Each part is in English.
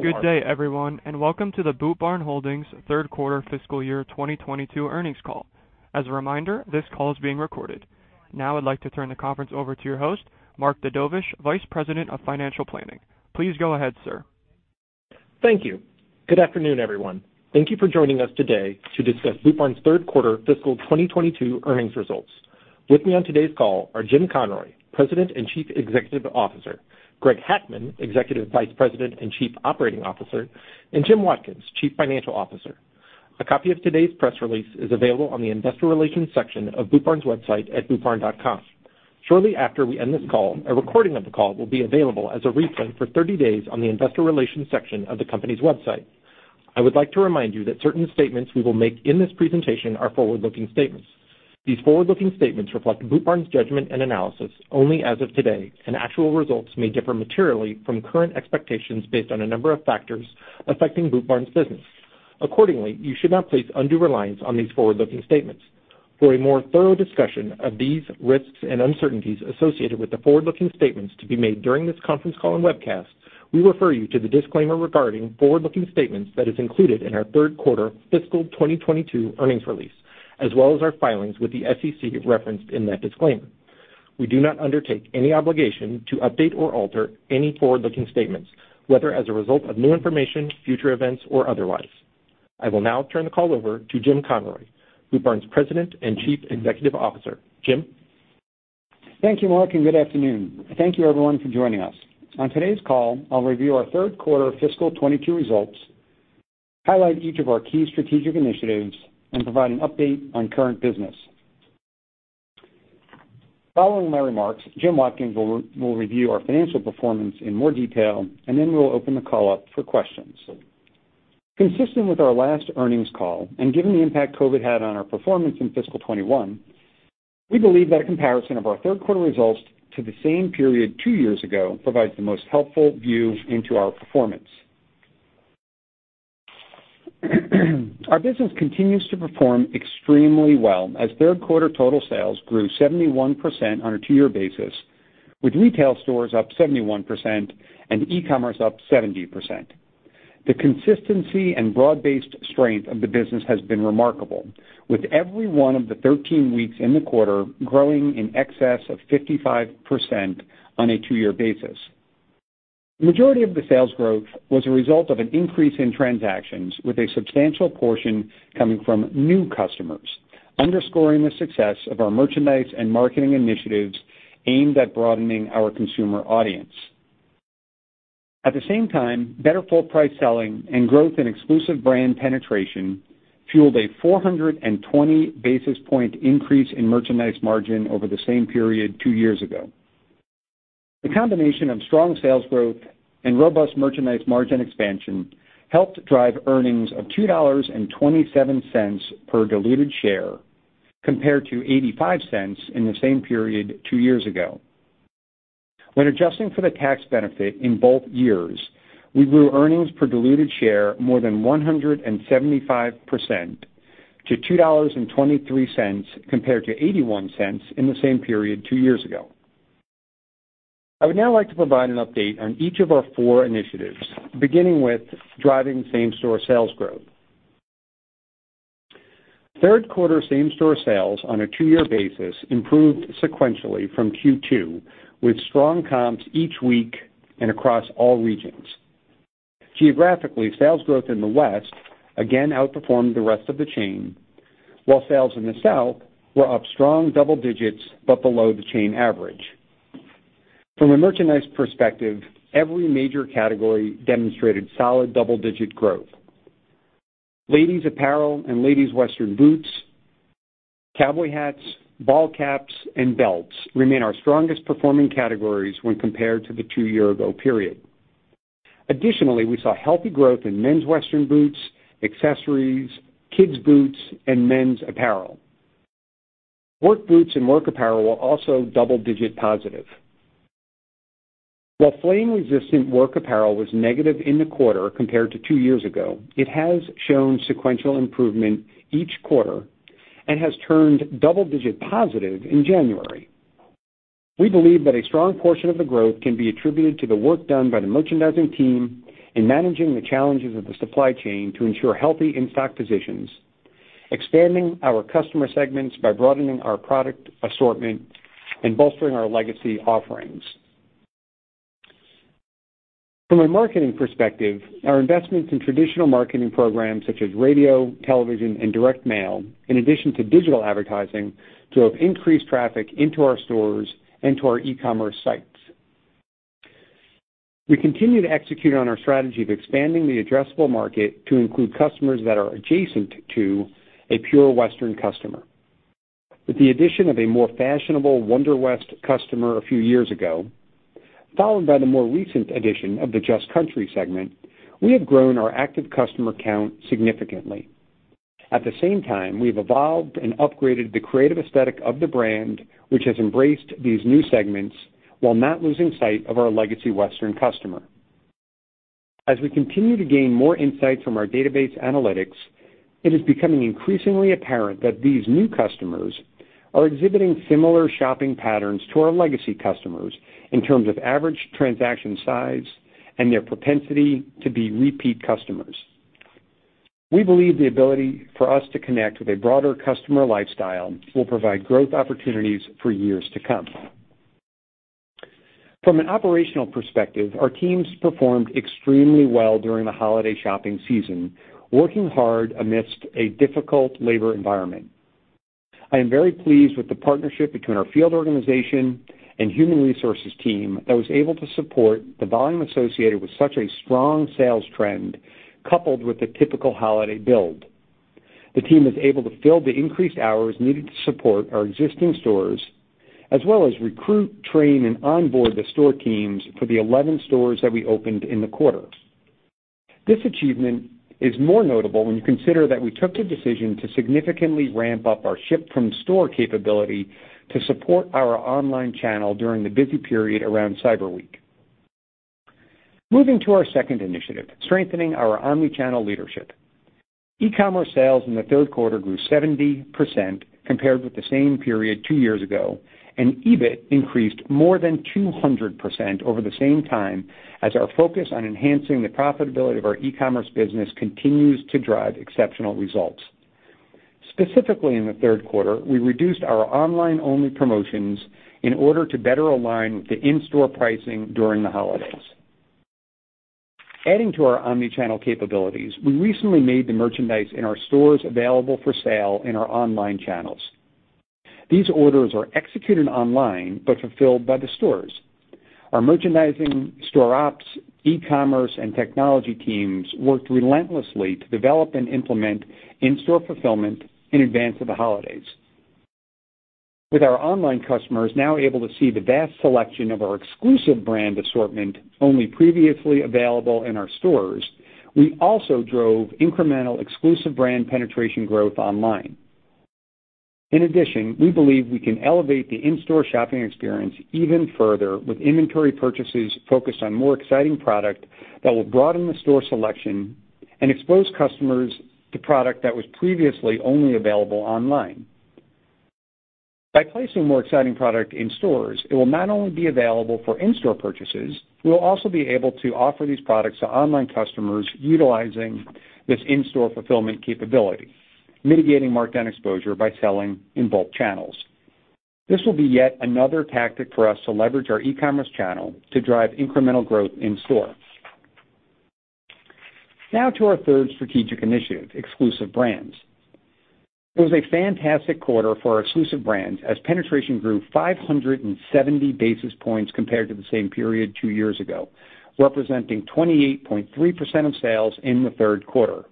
Good day, everyone, and welcome to the Boot Barn Holdings third quarter fiscal year 2022 earnings call. As a reminder, this call is being recorded. Now I'd like to turn the conference over to your host, Mark Dedovesh, Vice President of Financial Planning. Please go ahead, sir. Thank you. Good afternoon, everyone. Thank you for joining us today to discuss Boot Barn's third quarter fiscal 2022 earnings results. With me on today's call are Jim Conroy, President and Chief Executive Officer, Greg Hackman, Executive Vice President and Chief Operating Officer, and Jim Watkins, Chief Financial Officer. A copy of today's press release is available on the investor relations section of Boot Barn's website at bootbarn.com. Shortly after we end this call, a recording of the call will be available as a replay for 30 days on the investor relations section of the company's website. I would like to remind you that certain statements we will make in this presentation are forward-looking statements. These forward-looking statements reflect Boot Barn's judgment and analysis only as of today, and actual results may differ materially from current expectations based on a number of factors affecting Boot Barn's business. Accordingly, you should not place undue reliance on these forward-looking statements. For a more thorough discussion of these risks and uncertainties associated with the forward-looking statements to be made during this conference call and webcast, we refer you to the disclaimer regarding forward-looking statements that is included in our third quarter fiscal 2022 earnings release, as well as our filings with the SEC referenced in that disclaimer. We do not undertake any obligation to update or alter any forward-looking statements, whether as a result of new information, future events, or otherwise. I will now turn the call over to Jim Conroy, Boot Barn's President and Chief Executive Officer. Jim? Thank you, Mark, and good afternoon. Thank you everyone for joining us. On today's call, I'll review our third quarter fiscal 2022 results, highlight each of our key strategic initiatives, and provide an update on current business. Following my remarks, Jim Watkins will review our financial performance in more detail, and then we'll open the call up for questions. Consistent with our last earnings call, and given the impact COVID had on our performance in fiscal 2021, we believe that a comparison of our third quarter results to the same period two years ago provides the most helpful view into our performance. Our business continues to perform extremely well as third quarter total sales grew 71% on a two-year basis, with retail stores up 71% and e-commerce up 70%. The consistency and broad-based strength of the business has been remarkable. With every one of the 13 weeks in the quarter growing in excess of 55% on a two-year basis. Majority of the sales growth was a result of an increase in transactions with a substantial portion coming from new customers, underscoring the success of our merchandise and marketing initiatives aimed at broadening our consumer audience. At the same time, better full price selling and growth in exclusive brand penetration fueled a 420 basis point increase in merchandise margin over the same period two years ago. The combination of strong sales growth and robust merchandise margin expansion helped drive earnings of $2.27 per diluted share, compared to $0.85 in the same period two years ago. When adjusting for the tax benefit in both years, we grew earnings per diluted share more than 175% to $2.23 compared to $0.81 in the same period two years ago. I would now like to provide an update on each of our four initiatives, beginning with driving same-store sales growth. Third quarter same-store sales on a two-year basis improved sequentially from Q2 with strong comps each week and across all regions. Geographically, sales growth in the West again outperformed the rest of the chain, while sales in the South were up strong double digits but below the chain average. From a merchandise perspective, every major category demonstrated solid double-digit growth. Ladies apparel and ladies western boots, cowboy hats, ball caps, and belts remain our strongest performing categories when compared to the two-year-ago period. Additionally, we saw healthy growth in men's western boots, accessories, kids' boots, and men's apparel. Work boots and work apparel were also double-digit positive. While flame-resistant work apparel was negative in the quarter compared to two years ago, it has shown sequential improvement each quarter and has turned double-digit positive in January. We believe that a strong portion of the growth can be attributed to the work done by the merchandising team in managing the challenges of the supply chain to ensure healthy in-stock positions, expanding our customer segments by broadening our product assortment and bolstering our legacy offerings. From a marketing perspective, our investments in traditional marketing programs such as radio, television, and direct mail, in addition to digital advertising to increase traffic into our stores and to our e-commerce sites. We continue to execute on our strategy of expanding the addressable market to include customers that are adjacent to a pure Western customer. With the addition of a more fashionable Wonderwest customer a few years ago, followed by the more recent addition of the Just Country segment, we have grown our active customer count significantly. At the same time, we've evolved and upgraded the creative aesthetic of the brand, which has embraced these new segments while not losing sight of our legacy Western customer. As we continue to gain more insights from our database analytics. It is becoming increasingly apparent that these new customers are exhibiting similar shopping patterns to our legacy customers in terms of average transaction size and their propensity to be repeat customers. We believe the ability for us to connect with a broader customer lifestyle will provide growth opportunities for years to come. From an operational perspective, our teams performed extremely well during the holiday shopping season, working hard amidst a difficult labor environment. I am very pleased with the partnership between our field organization and human resources team that was able to support the volume associated with such a strong sales trend, coupled with the typical holiday build. The team was able to fill the increased hours needed to support our existing stores as well as recruit, train, and onboard the store teams for the 11 stores that we opened in the quarter. This achievement is more notable when you consider that we took the decision to significantly ramp up our ship from store capability to support our online channel during the busy period around Cyber Week. Moving to our second initiative, strengthening our omni-channel leadership. e-commerce sales in the third quarter grew 70% compared with the same period two years ago, and EBIT increased more than 200% over the same time as our focus on enhancing the profitability of our e-commerce business continues to drive exceptional results. Specifically in the third quarter, we reduced our online-only promotions in order to better align with the in-store pricing during the holidays. Adding to our omni-channel capabilities, we recently made the merchandise in our stores available for sale in our online channels. These orders are executed online but fulfilled by the stores. Our merchandising, store ops, e-commerce, and technology teams worked relentlessly to develop and implement in-store fulfillment in advance of the holidays. With our online customers now able to see the vast selection of our exclusive brand assortment only previously available in our stores, we also drove incremental exclusive brand penetration growth online. In addition, we believe we can elevate the in-store shopping experience even further with inventory purchases focused on more exciting product that will broaden the store selection and expose customers to product that was previously only available online. By placing more exciting product in stores, it will not only be available for in-store purchases, we will also be able to offer these products to online customers utilizing this in-store fulfillment capability, mitigating markdown exposure by selling in both channels. This will be yet another tactic for us to leverage our e-commerce channel to drive incremental growth in store. Now to our third strategic initiative, exclusive brands. It was a fantastic quarter for our exclusive brands as penetration grew 570 basis points compared to the same period two years ago, representing 28.3% of sales in the third quarter.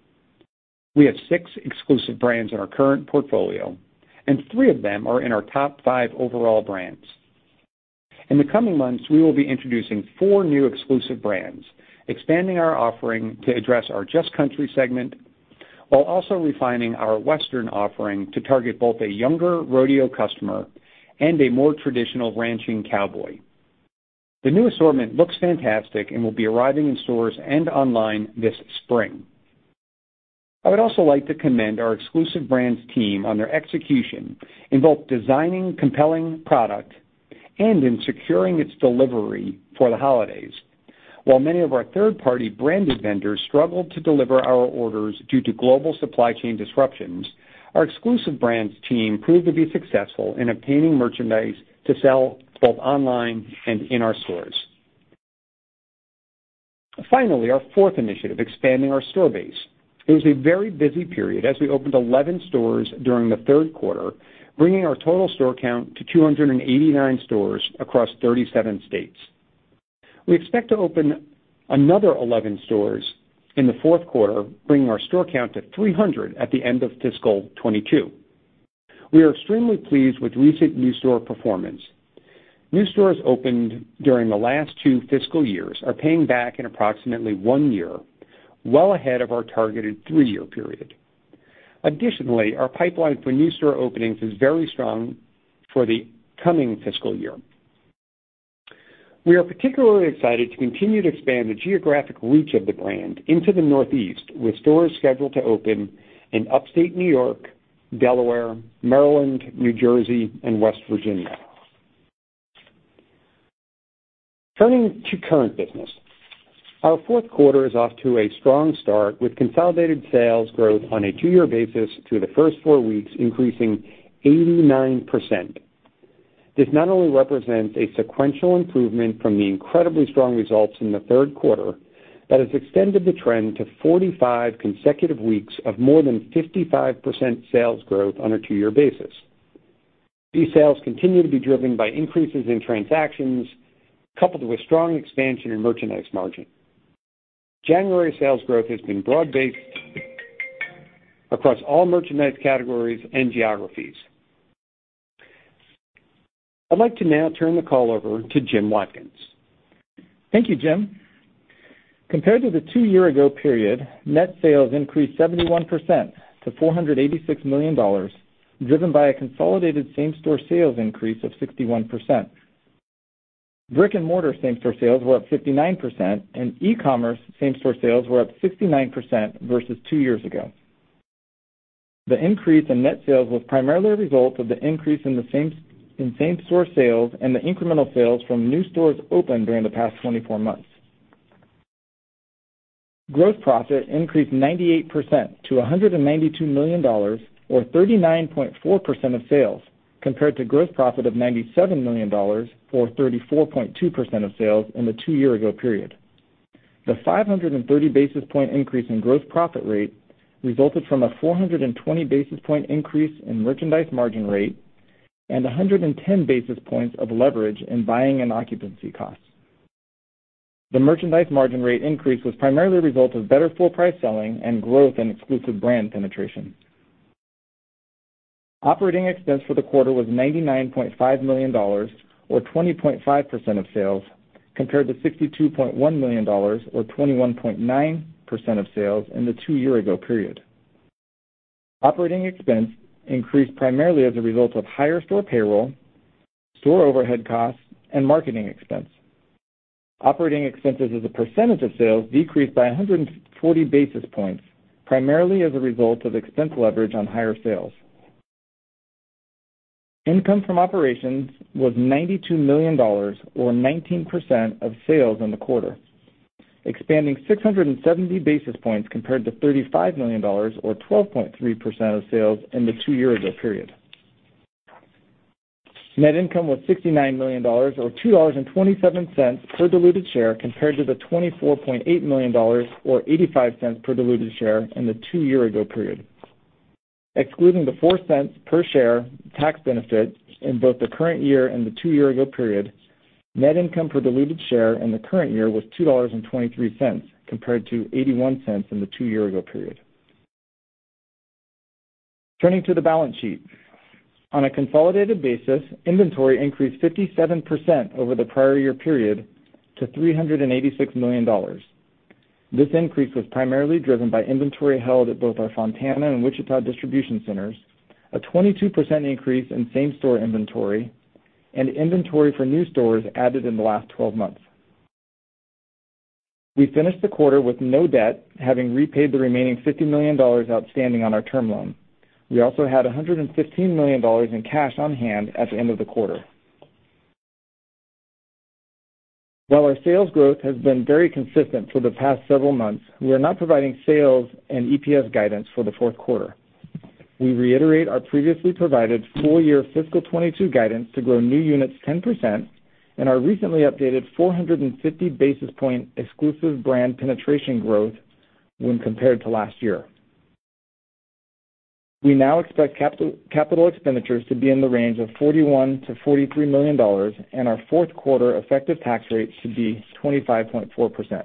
We have six exclusive brands in our current portfolio, and three of them are in our top five overall brands. In the coming months, we will be introducing four new exclusive brands, expanding our offering to address our Just Country segment, while also refining our Western offering to target both a younger rodeo customer and a more traditional ranching cowboy. The new assortment looks fantastic and will be arriving in stores and online this spring. I would also like to commend our exclusive brands team on their execution in both designing compelling product and in securing its delivery for the holidays. While many of our third-party branded vendors struggled to deliver our orders due to global supply chain disruptions, our exclusive brands team proved to be successful in obtaining merchandise to sell both online and in our stores. Finally, our fourth initiative, expanding our store base. It was a very busy period as we opened 11 stores during the third quarter, bringing our total store count to 289 stores across 37 states. We expect to open another 11 stores in the fourth quarter, bringing our store count to 300 at the end of fiscal 2022. We are extremely pleased with recent new store performance. New stores opened during the last two fiscal years are paying back in approximately one year, well ahead of our targeted three-year period. Additionally, our pipeline for new store openings is very strong for the coming fiscal year. We are particularly excited to continue to expand the geographic reach of the brand into the Northeast, with stores scheduled to open in Upstate New York, Delaware, Maryland, New Jersey, and West Virginia. Turning to current business. Our fourth quarter is off to a strong start with consolidated sales growth on a two-year basis through the first four weeks, increasing 89%. This not only represents a sequential improvement from the incredibly strong results in the third quarter, but has extended the trend to 45 consecutive weeks of more than 55% sales growth on a two-year basis. These sales continue to be driven by increases in transactions coupled with strong expansion in merchandise margin. January sales growth has been broad-based across all merchandise categories and geographies. I'd like to now turn the call over to Jim Watkins. Thank you, Jim. Compared to the two-year-ago period, net sales increased 71% to $486 million, driven by a consolidated same-store sales increase of 61%. Brick-and-mortar same-store sales were up 59%, and e-commerce same-store sales were up 69% versus two years ago. The increase in net sales was primarily a result of the increase in same-store sales and the incremental sales from new stores opened during the past 24 months. Gross profit increased 98% to $192 million, or 39.4% of sales, compared to gross profit of $97 million, or 34.2% of sales in the two-year-ago period. The 530 basis point increase in gross profit rate resulted from a 420 basis point increase in merchandise margin rate and 110 basis points of leverage in buying and occupancy costs. The merchandise margin rate increase was primarily a result of better full price selling and growth in exclusive brand penetration. Operating expense for the quarter was $99.5 million, or 20.5% of sales, compared to $62.1 million or 21.9% of sales in the two year ago period. Operating expense increased primarily as a result of higher store payroll, store overhead costs, and marketing expense. Operating expenses as a percentage of sales decreased by 140 basis points, primarily as a result of expense leverage on higher sales. Income from operations was $92 million, or 19% of sales in the quarter, expanding 670 basis points compared to $35 million or 12.3% of sales in the two year ago period. Net income was $69 million or $2.27 per diluted share, compared to the $24.8 million or $0.85 per diluted share in the two year ago period. Excluding the $0.04 per share tax benefit in both the current year and the two year ago period, net income per diluted share in the current year was $2.23, compared to $0.81 in the two year ago period. Turning to the balance sheet. On a consolidated basis, inventory increased 57% over the prior year period to $386 million. This increase was primarily driven by inventory held at both our Fontana and Wichita distribution centers, a 22% increase in same-store inventory, and inventory for new stores added in the last 12 months. We finished the quarter with no debt, having repaid the remaining $50 million outstanding on our term loan. We also had $115 million in cash on hand at the end of the quarter. While our sales growth has been very consistent for the past several months, we are not providing sales and EPS guidance for the fourth quarter. We reiterate our previously provided full year fiscal 2022 guidance to grow new units 10% and our recently updated 450 basis point exclusive brand penetration growth when compared to last year. We now expect capital expenditures to be in the range of $41 million-$43 million, and our fourth quarter effective tax rate to be 25.4%.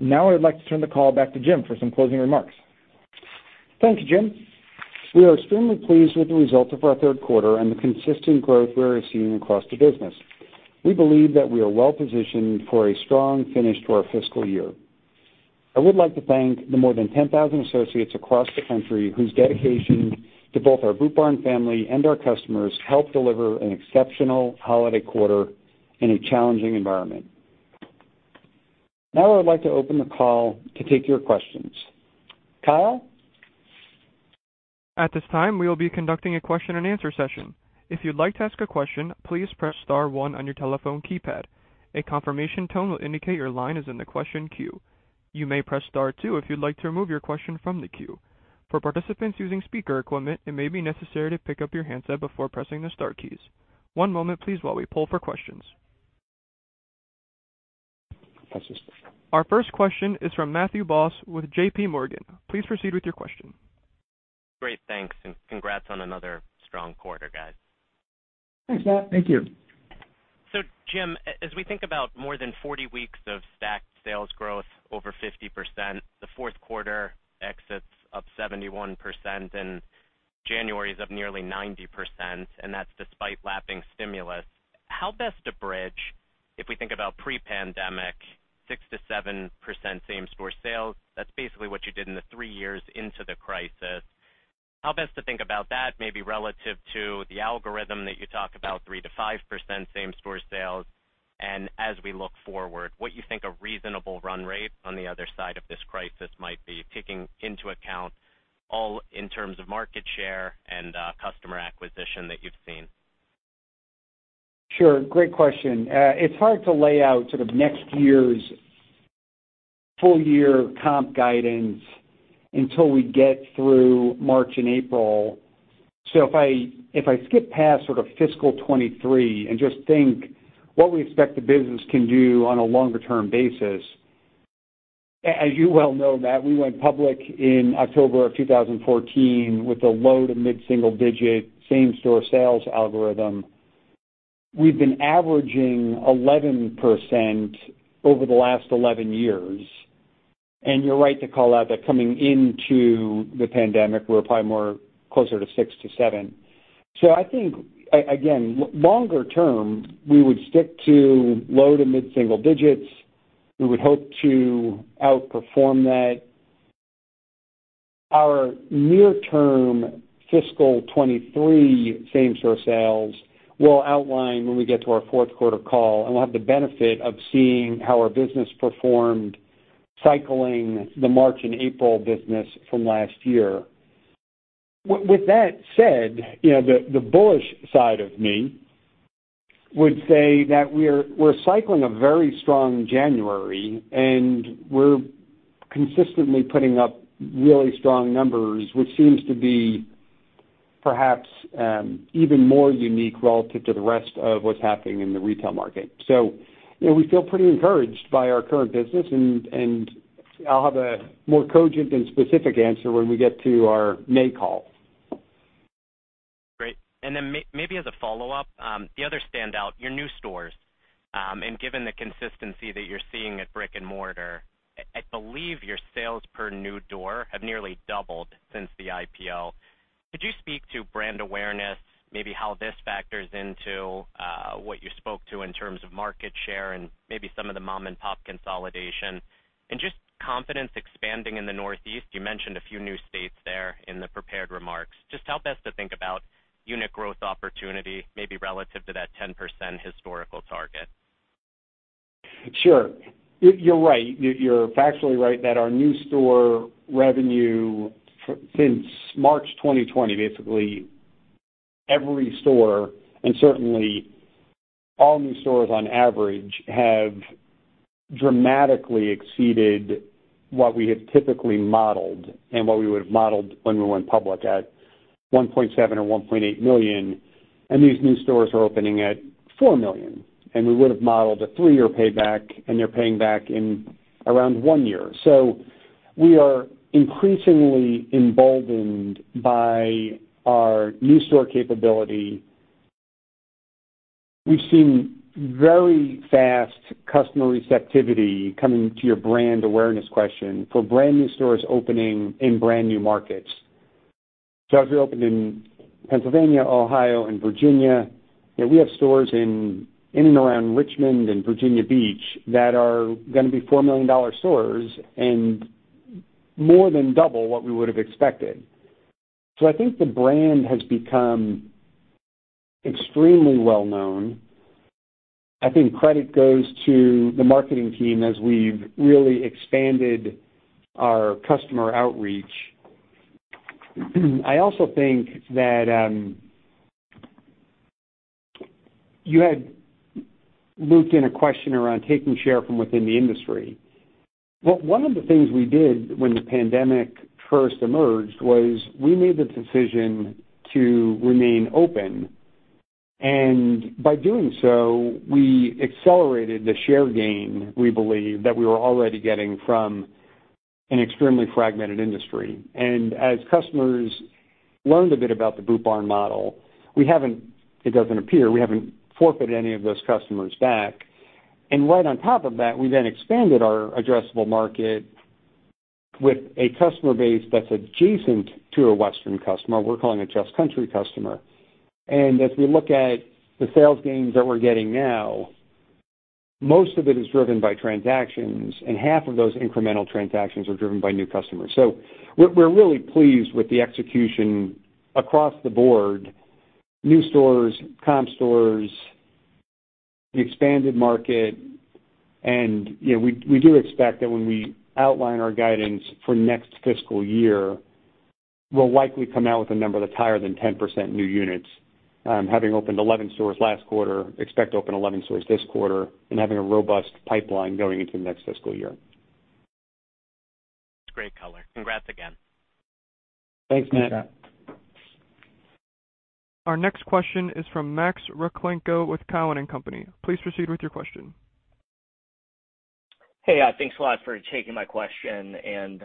Now I would like to turn the call back to Jim for some closing remarks. Thank you, Jim. We are extremely pleased with the results of our third quarter and the consistent growth we are seeing across the business. We believe that we are well-positioned for a strong finish to our fiscal year. I would like to thank the more than 10,000 associates across the country whose dedication to both our Boot Barn family and our customers helped deliver an exceptional holiday quarter in a challenging environment. Now I would like to open the call to take your questions. Kyle? At this time, we will be conducting a question-and-answer session. If you'd like to ask a question, please press star one on your telephone keypad. A confirmation tone will indicate your line is in the question queue. You may press star two if you'd like to remove your question from the queue. For participants using speaker equipment, it may be necessary to pick up your handset before pressing the star keys. One moment please while we pull for questions. Our first question is from Matthew Boss with JPMorgan. Please proceed with your question. Great. Thanks, and congrats on another strong quarter, guys. Thanks, Matt. Thank you. Jim, as we think about more than 40 weeks of stacked sales growth over 50%, the fourth quarter exits up 71% and January is up nearly 90%, and that's despite lapping stimulus, how best to bridge if we think about pre-pandemic 6%-7% same store sales, that's basically what you did in the three years into the crisis. How best to think about that, maybe relative to the algorithm that you talk about 3%-5% same store sales, and as we look forward, what you think a reasonable run rate on the other side of this crisis might be, taking into account all in terms of market share and customer acquisition that you've seen? Sure. Great question. It's hard to lay out sort of next year's full year comp guidance until we get through March and April. If I skip past sort of fiscal 2023 and just think what we expect the business can do on a longer term basis, as you well know, Matt, we went public in October 2014 with a low- to mid-single-digit same-store sales algorithm. We've been averaging 11% over the last 11 years, and you're right to call out that coming into the pandemic, we're probably more closer to six-seven. I think again, longer term, we would stick to low- to mid-single digits. We would hope to outperform that. Our near-term fiscal 2023 same-store sales will outline when we get to our fourth quarter call, and we'll have the benefit of seeing how our business performed cycling the March and April business from last year. With that said, you know, the bullish side of me would say that we're cycling a very strong January, and we're consistently putting up really strong numbers, which seems to be perhaps even more unique relative to the rest of what's happening in the retail market. You know, we feel pretty encouraged by our current business, and I'll have a more cogent and specific answer when we get to our May call. Great. Maybe as a follow-up, the other standout, your new stores. Given the consistency that you're seeing at brick-and-mortar, I believe your sales per new door have nearly doubled since the IPO. Could you speak to brand awareness, maybe how this factors into what you spoke to in terms of market share and maybe some of the mom-and-pop consolidation, and just confidence expanding in the Northeast? You mentioned a few new states there in the prepared remarks. Just help us to think about unit growth opportunity, maybe relative to that 10% historical target. Sure. You're right. You're factually right that our new store revenue since March 2020, basically every store, and certainly all new stores on average, have dramatically exceeded what we had typically modeled and what we would've modeled when we went public at $1.7 million or $1.8 million, and these new stores are opening at $4 million. We would've modeled a three-year payback, and they're paying back in around one year. We are increasingly emboldened by our new store capability. We've seen very fast customer receptivity coming to your brand awareness question for brand new stores opening in brand new markets. As we opened in Pennsylvania, Ohio and Virginia, you know, we have stores in and around Richmond and Virginia Beach that are gonna be $4 million stores and more than double what we would've expected. I think the brand has become extremely well-known. I think credit goes to the marketing team as we've really expanded our customer outreach. I also think that. You had looped in a question around taking share from within the industry. Well, one of the things we did when the pandemic first emerged was we made the decision to remain open. By doing so, we accelerated the share gain, we believe, that we were already getting from an extremely fragmented industry. As customers learned a bit about the Boot Barn model, we haven't, it doesn't appear, forfeited any of those customers back. Right on top of that, we then expanded our addressable market with a customer base that's adjacent to a Western customer, we're calling a Just Country customer. As we look at the sales gains that we're getting now, most of it is driven by transactions, and half of those incremental transactions are driven by new customers. We're really pleased with the execution across the board, new stores, comp stores, the expanded market. You know, we do expect that when we outline our guidance for next fiscal year, we'll likely come out with a number that's higher than 10% new units, having opened 11 stores last quarter, expect to open 11 stores this quarter and having a robust pipeline going into next fiscal year. Great color. Congrats again. Thanks, Matt. Our next question is from Max Rakhlenko with Cowen and Company. Please proceed with your question. Hey, thanks a lot for taking my question and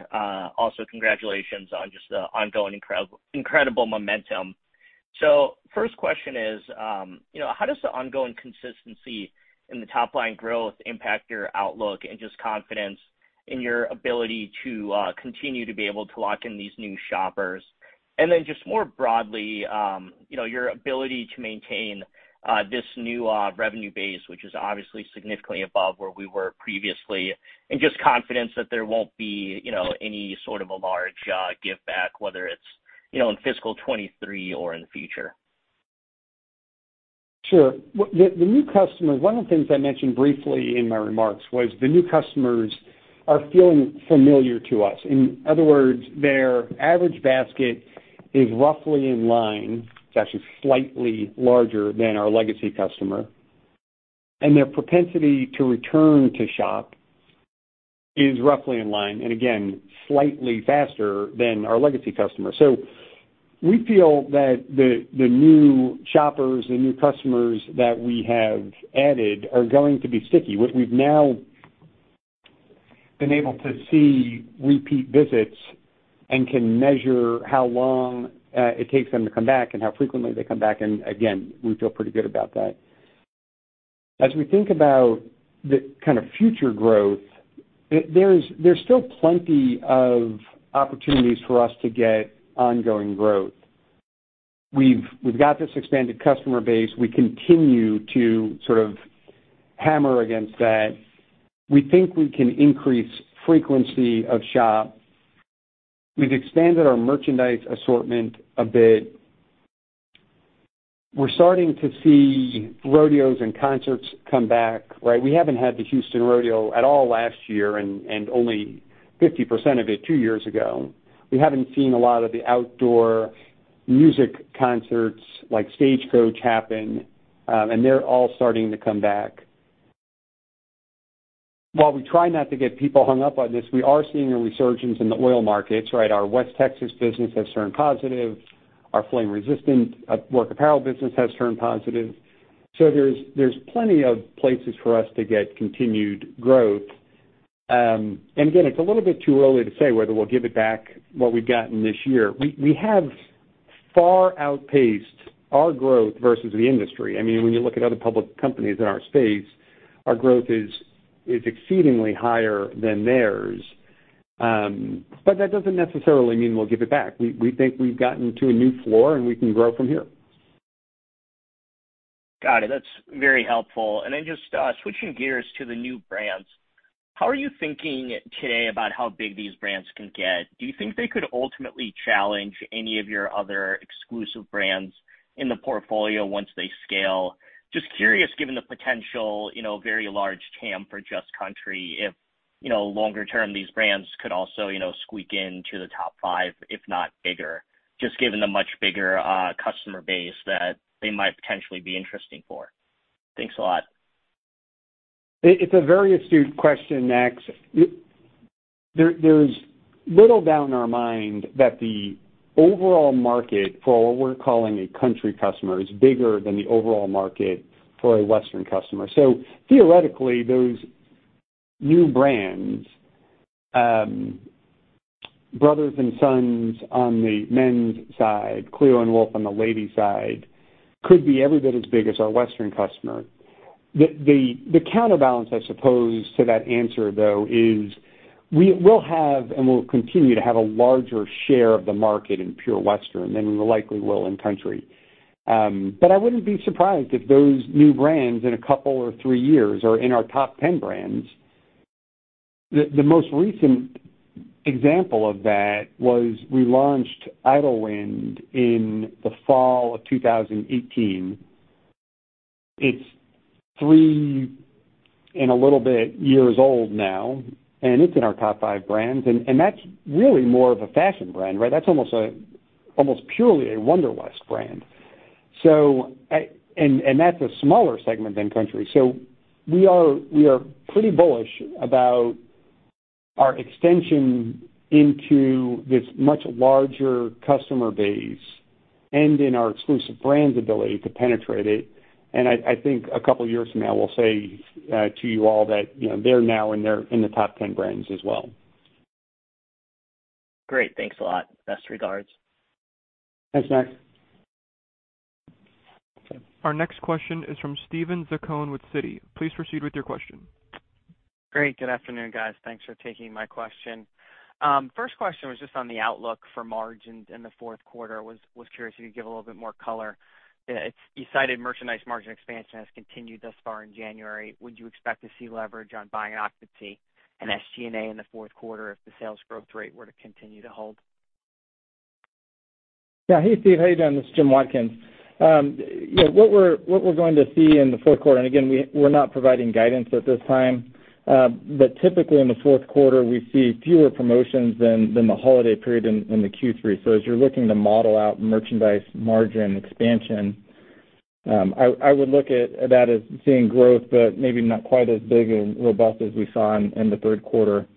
also congratulations on just the ongoing incredible momentum. So first question is, you know, how does the ongoing consistency in the top line growth impact your outlook and just confidence in your ability to continue to be able to lock in these new shoppers? And then just more broadly, you know, your ability to maintain this new revenue base, which is obviously significantly above where we were previously, and just confidence that there won't be, you know, any sort of a large give back, whether it's, you know, in fiscal 2023 or in the future. Sure. One of the things I mentioned briefly in my remarks was the new customers are feeling familiar to us. In other words, their average basket is roughly in line. It's actually slightly larger than our legacy customer. Their propensity to return to shop is roughly in line, and again, slightly faster than our legacy customer. We feel that the new shoppers, the new customers that we have added are going to be sticky. We've now been able to see repeat visits and can measure how long it takes them to come back and how frequently they come back. Again, we feel pretty good about that. As we think about the kind of future growth, there's still plenty of opportunities for us to get ongoing growth. We've got this expanded customer base. We continue to sort of hammer against that. We think we can increase frequency of shop. We've expanded our merchandise assortment a bit. We're starting to see rodeos and concerts come back, right? We haven't had the Houston Rodeo at all last year and only 50% of it two years ago. We haven't seen a lot of the outdoor music concerts like Stagecoach happen, and they're all starting to come back. While we try not to get people hung up on this, we are seeing a resurgence in the oil markets, right? Our West Texas business has turned positive. Our flame-resistant work apparel business has turned positive. So there's plenty of places for us to get continued growth. And again, it's a little bit too early to say whether we'll give it back what we've gotten this year. We have far outpaced our growth versus the industry. I mean, when you look at other public companies in our space, our growth is exceedingly higher than theirs. That doesn't necessarily mean we'll give it back. We think we've gotten to a new floor, and we can grow from here. Got it. That's very helpful. Just switching gears to the new brands, how are you thinking today about how big these brands can get? Do you think they could ultimately challenge any of your other exclusive brands in the portfolio once they scale? Just curious, given the potential, you know, very large TAM for Just Country if, you know, longer term, these brands could also, you know, squeak into the top five, if not bigger, just given the much bigger customer base that they might potentially be interesting for. Thanks a lot. It's a very astute question, Max. There's little doubt in our mind that the overall market for what we're calling a country customer is bigger than the overall market for a western customer. Theoretically, those new brands, Brothers and Sons on the men's side, Cleo & Wolf on the ladies side, could be every bit as big as our western customer. The counterbalance, I suppose, to that answer, though, is we will have and will continue to have a larger share of the market in pure western than we likely will in country. But I wouldn't be surprised if those new brands in a couple or three years are in our top 10 brands. The most recent example of that was we launched IDYLLWIND in the fall of 2018. It's three and a little bit years old now, and it's in our top five brands, and that's really more of a fashion brand, right? That's almost purely a Wonderwest brand. That's a smaller segment than country. We are pretty bullish about our extension into this much larger customer base and in our exclusive brands' ability to penetrate it. I think a couple of years from now, we'll say to you all that, you know, they're now in the top 10 brands as well. Great. Thanks a lot. Best regards. Thanks, Max. Our next question is from Steven Zaccone with Citi. Please proceed with your question. Great. Good afternoon, guys. Thanks for taking my question. First question was just on the outlook for margins in the fourth quarter. Was curious if you could give a little bit more color. You cited merchandise margin expansion has continued thus far in January. Would you expect to see leverage on buying occupancy and SG&A in the fourth quarter if the sales growth rate were to continue to hold? Yeah. Hey, Steve, how you doing? This is Jim Watkins. What we're going to see in the fourth quarter, and again, we're not providing guidance at this time, but typically in the fourth quarter, we see fewer promotions than the holiday period in the Q3. So as you're looking to model out merchandise margin expansion, I would look at that as seeing growth, but maybe not quite as big and robust as we saw in the third quarter.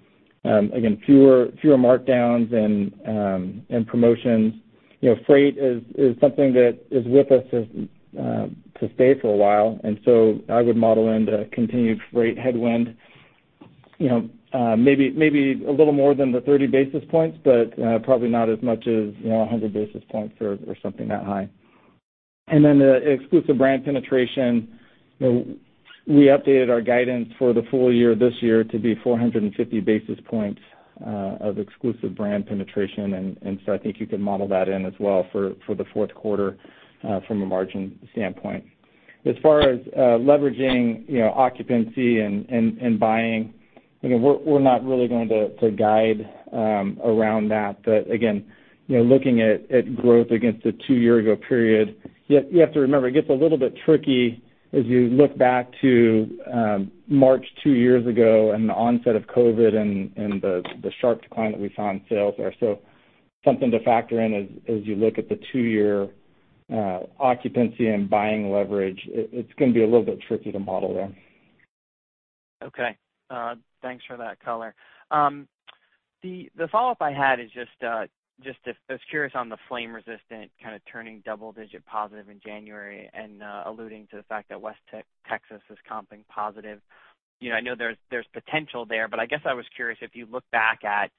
Again, fewer markdowns and promotions. You know, freight is something that is with us to stay for a while. I would model in the continued freight headwind, you know, maybe a little more than the 30 basis points, but probably not as much as, you know, 100 basis points or something that high. The exclusive brand penetration. You know, we updated our guidance for the full year this year to be 450 basis points of exclusive brand penetration. I think you can model that in as well for the fourth quarter from a margin standpoint. As far as leveraging, you know, occupancy and buying, again, we're not really going to guide around that. Again, you know, looking at growth against the two-year-ago period. You have to remember, it gets a little bit tricky as you look back to March two years ago and the onset of COVID and the sharp decline that we saw in sales there. Something to factor in as you look at the two-year occupancy and buying leverage. It's gonna be a little bit tricky to model there. Okay. Thanks for that color. The follow-up I had is just I was curious on the flame-resistant kind of turning double-digit positive in January and alluding to the fact that West Texas is comping positive. You know, I know there's potential there, but I guess I was curious if you look back at,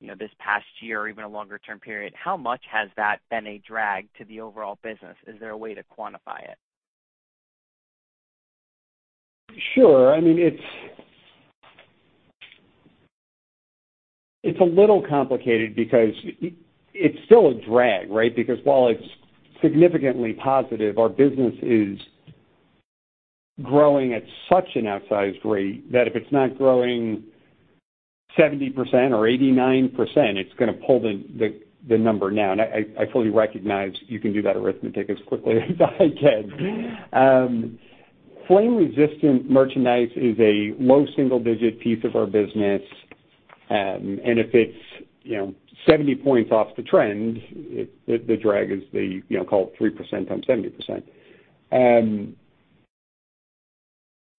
you know, this past year or even a longer-term period, how much has that been a drag to the overall business? Is there a way to quantify it? Sure. I mean, it's a little complicated because it's still a drag, right? Because while it's significantly positive, our business is growing at such an outsized rate that if it's not growing 70% or 89%, it's gonna pull the number now. I fully recognize you can do that arithmetic as quickly as I can. Flame resistant merchandise is a low single-digit piece of our business. And if it's, you know, 70 points off the trend, the drag is, you know, call it 3% times 70%.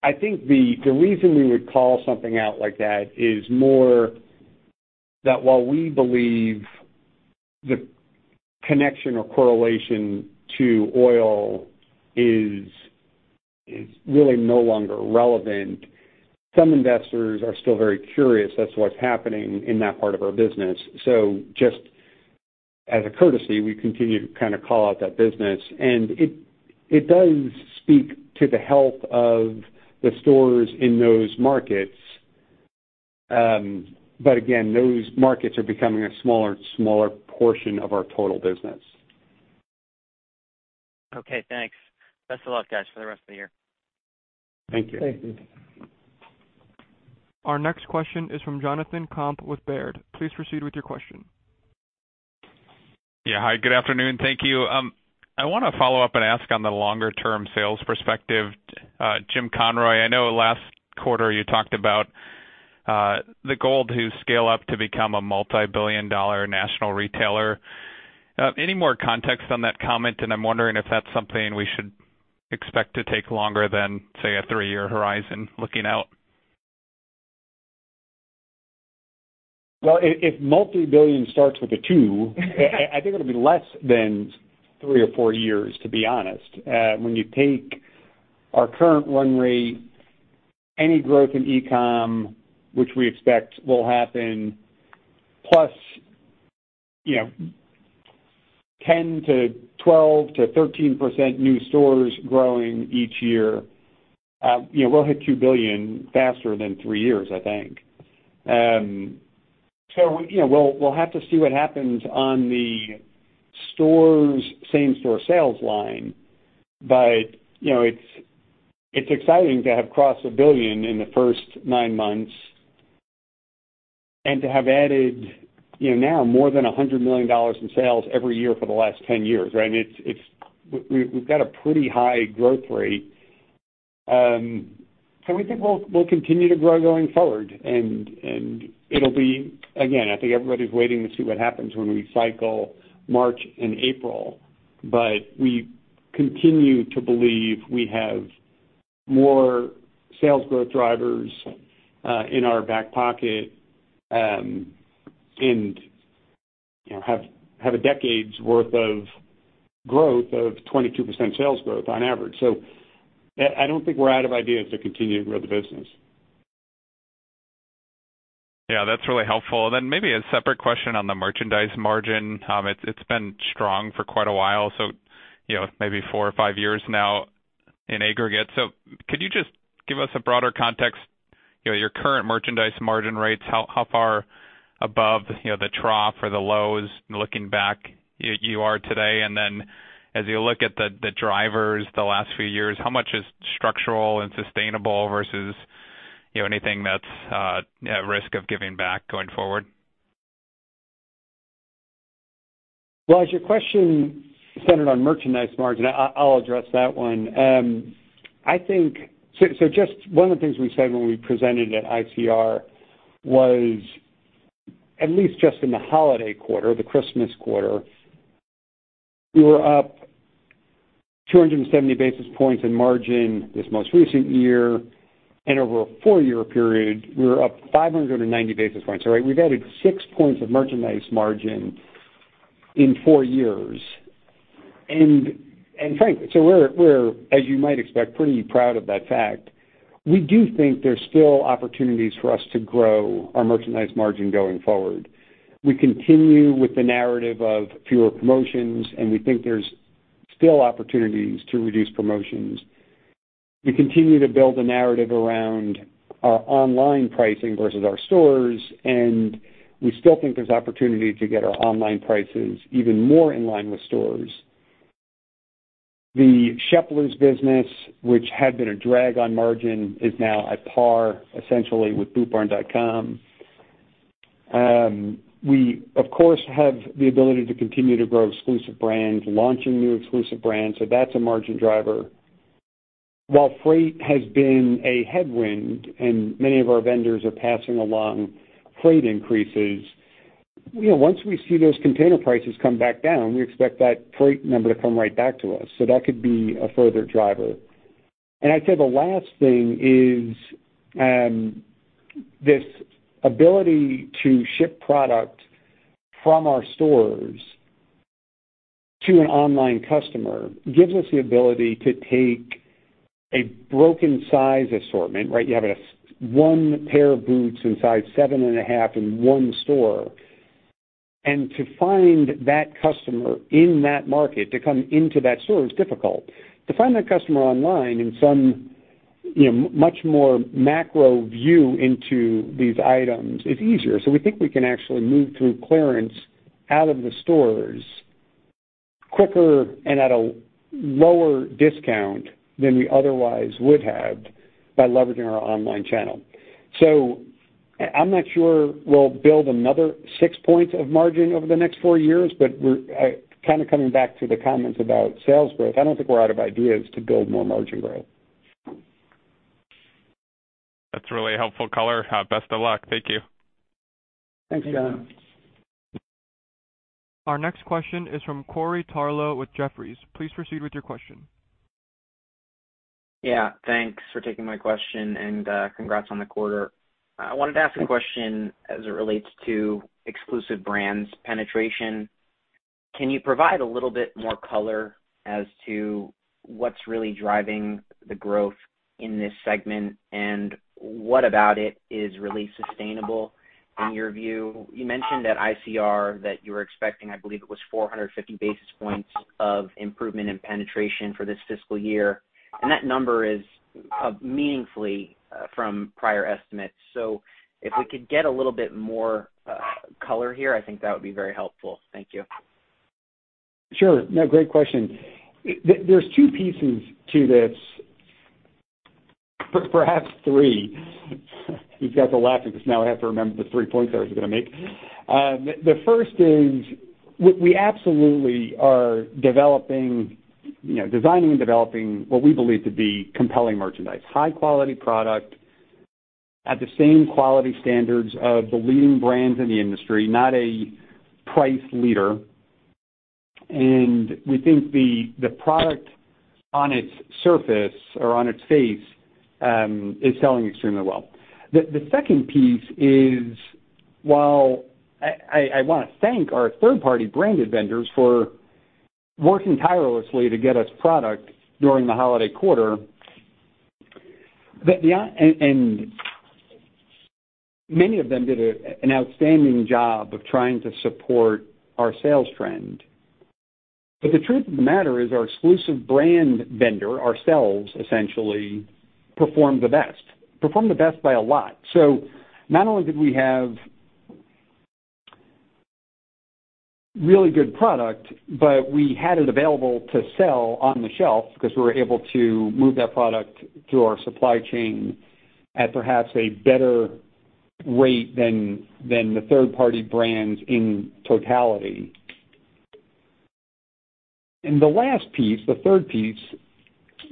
I think the reason we would call something out like that is more that while we believe the connection or correlation to oil is really no longer relevant, some investors are still very curious as to what's happening in that part of our business. Just as a courtesy, we continue to kind of call out that business. It does speak to the health of the stores in those markets. Again, those markets are becoming a smaller and smaller portion of our total business. Okay, thanks. Best of luck, guys, for the rest of the year. Thank you. Thank you. Our next question is from Jonathan Komp with Baird. Please proceed with your question. Yeah. Hi, good afternoon. Thank you. I wanna follow up and ask on the longer-term sales perspective. Jim Conroy, I know last quarter you talked about the goal to scale up to become a multi-billion dollar national retailer. Any more context on that comment, and I'm wondering if that's something we should expect to take longer than, say, a three-year horizon looking out? If multi-billion starts with a two, I think it'll be less than three or four years, to be honest. When you take our current run rate, any growth in e-com, which we expect will happen, plus, you know, 10%-12%-13% new stores growing each year, you know, we'll hit $2 billion faster than three years, I think. So, you know, we'll have to see what happens on the stores' same-store sales line. But, you know, it's exciting to have crossed $1 billion in the first nine months and to have added, you know, now more than $100 million in sales every year for the last 10 years, right? It's. We’ve got a pretty high growth rate. So we think we'll continue to grow going forward and it'll be. Again, I think everybody's waiting to see what happens when we cycle March and April, but we continue to believe we have more sales growth drivers in our back pocket, and you know, have a decade's worth of growth of 22% sales growth on average. I don't think we're out of ideas to continue to grow the business. Yeah, that's really helpful. Maybe a separate question on the merchandise margin. It's been strong for quite a while, you know, maybe four or five years now in aggregate. Could you just give us a broader context, you know, your current merchandise margin rates, how far above, you know, the trough or the lows looking back you are today? Then as you look at the drivers the last few years, how much is structural and sustainable versus, you know, anything that's at risk of giving back going forward? Well, as your question centered on merchandise margin, I'll address that one. Just one of the things we said when we presented at ICR was, at least just in the holiday quarter, the Christmas quarter, we were up 270 basis points in margin this most recent year. Over a four-year period, we were up 590 basis points. All right. We've added six points of merchandise margin in four years. We're, as you might expect, pretty proud of that fact. We do think there's still opportunities for us to grow our merchandise margin going forward. We continue with the narrative of fewer promotions, and we think there's still opportunities to reduce promotions. We continue to build a narrative around our online pricing versus our stores, and we still think there's opportunity to get our online prices even more in line with stores. The Sheplers business, which had been a drag on margin, is now at par, essentially, with bootbarn.com. We, of course, have the ability to continue to grow exclusive brands, launching new exclusive brands, so that's a margin driver. While freight has been a headwind and many of our vendors are passing along freight increases, you know, once we see those container prices come back down, we expect that freight number to come right back to us. So that could be a further driver. I'd say the last thing is, this ability to ship product from our stores to an online customer gives us the ability to take a broken size assortment, right? You have one pair of boots in size 7.5 in one store. To find that customer in that market to come into that store is difficult. To find that customer online in some, you know, much more macro view into these items is easier. We think we can actually move through clearance out of the stores quicker and at a lower discount than we otherwise would have by leveraging our online channel. I'm not sure we'll build another six points of margin over the next four years, but we're kind of coming back to the comments about sales growth. I don't think we're out of ideas to build more margin growth. That's really helpful color. Best of luck. Thank you. Thanks, Jon. Our next question is from Corey Tarlowe with Jefferies. Please proceed with your question. Yeah, thanks for taking my question and congrats on the quarter. I wanted to ask a question as it relates to exclusive brands penetration. Can you provide a little bit more color as to what's really driving the growth in this segment and what about it is really sustainable in your view? You mentioned at ICR that you were expecting, I believe it was 450 basis points of improvement in penetration for this fiscal year, and that number is up meaningfully from prior estimates. If we could get a little bit more color here, I think that would be very helpful. Thank you. Sure. No, great question. There's two pieces to this, perhaps three. You got me laughing because now I have to remember the three points I was gonna make. The first is we absolutely are developing, you know, designing and developing what we believe to be compelling merchandise. High quality product at the same quality standards of the leading brands in the industry, not a price leader. We think the product on its surface or on its face is selling extremely well. The second piece is, while I wanna thank our third-party branded vendors for working tirelessly to get us product during the holiday quarter, and many of them did an outstanding job of trying to support our sales trend. The truth of the matter is our exclusive brand vendor, ourselves, essentially perform the best by a lot. Not only did we have really good product, but we had it available to sell on the shelf because we were able to move that product through our supply chain at perhaps a better rate than the third-party brands in totality. The last piece, the third piece,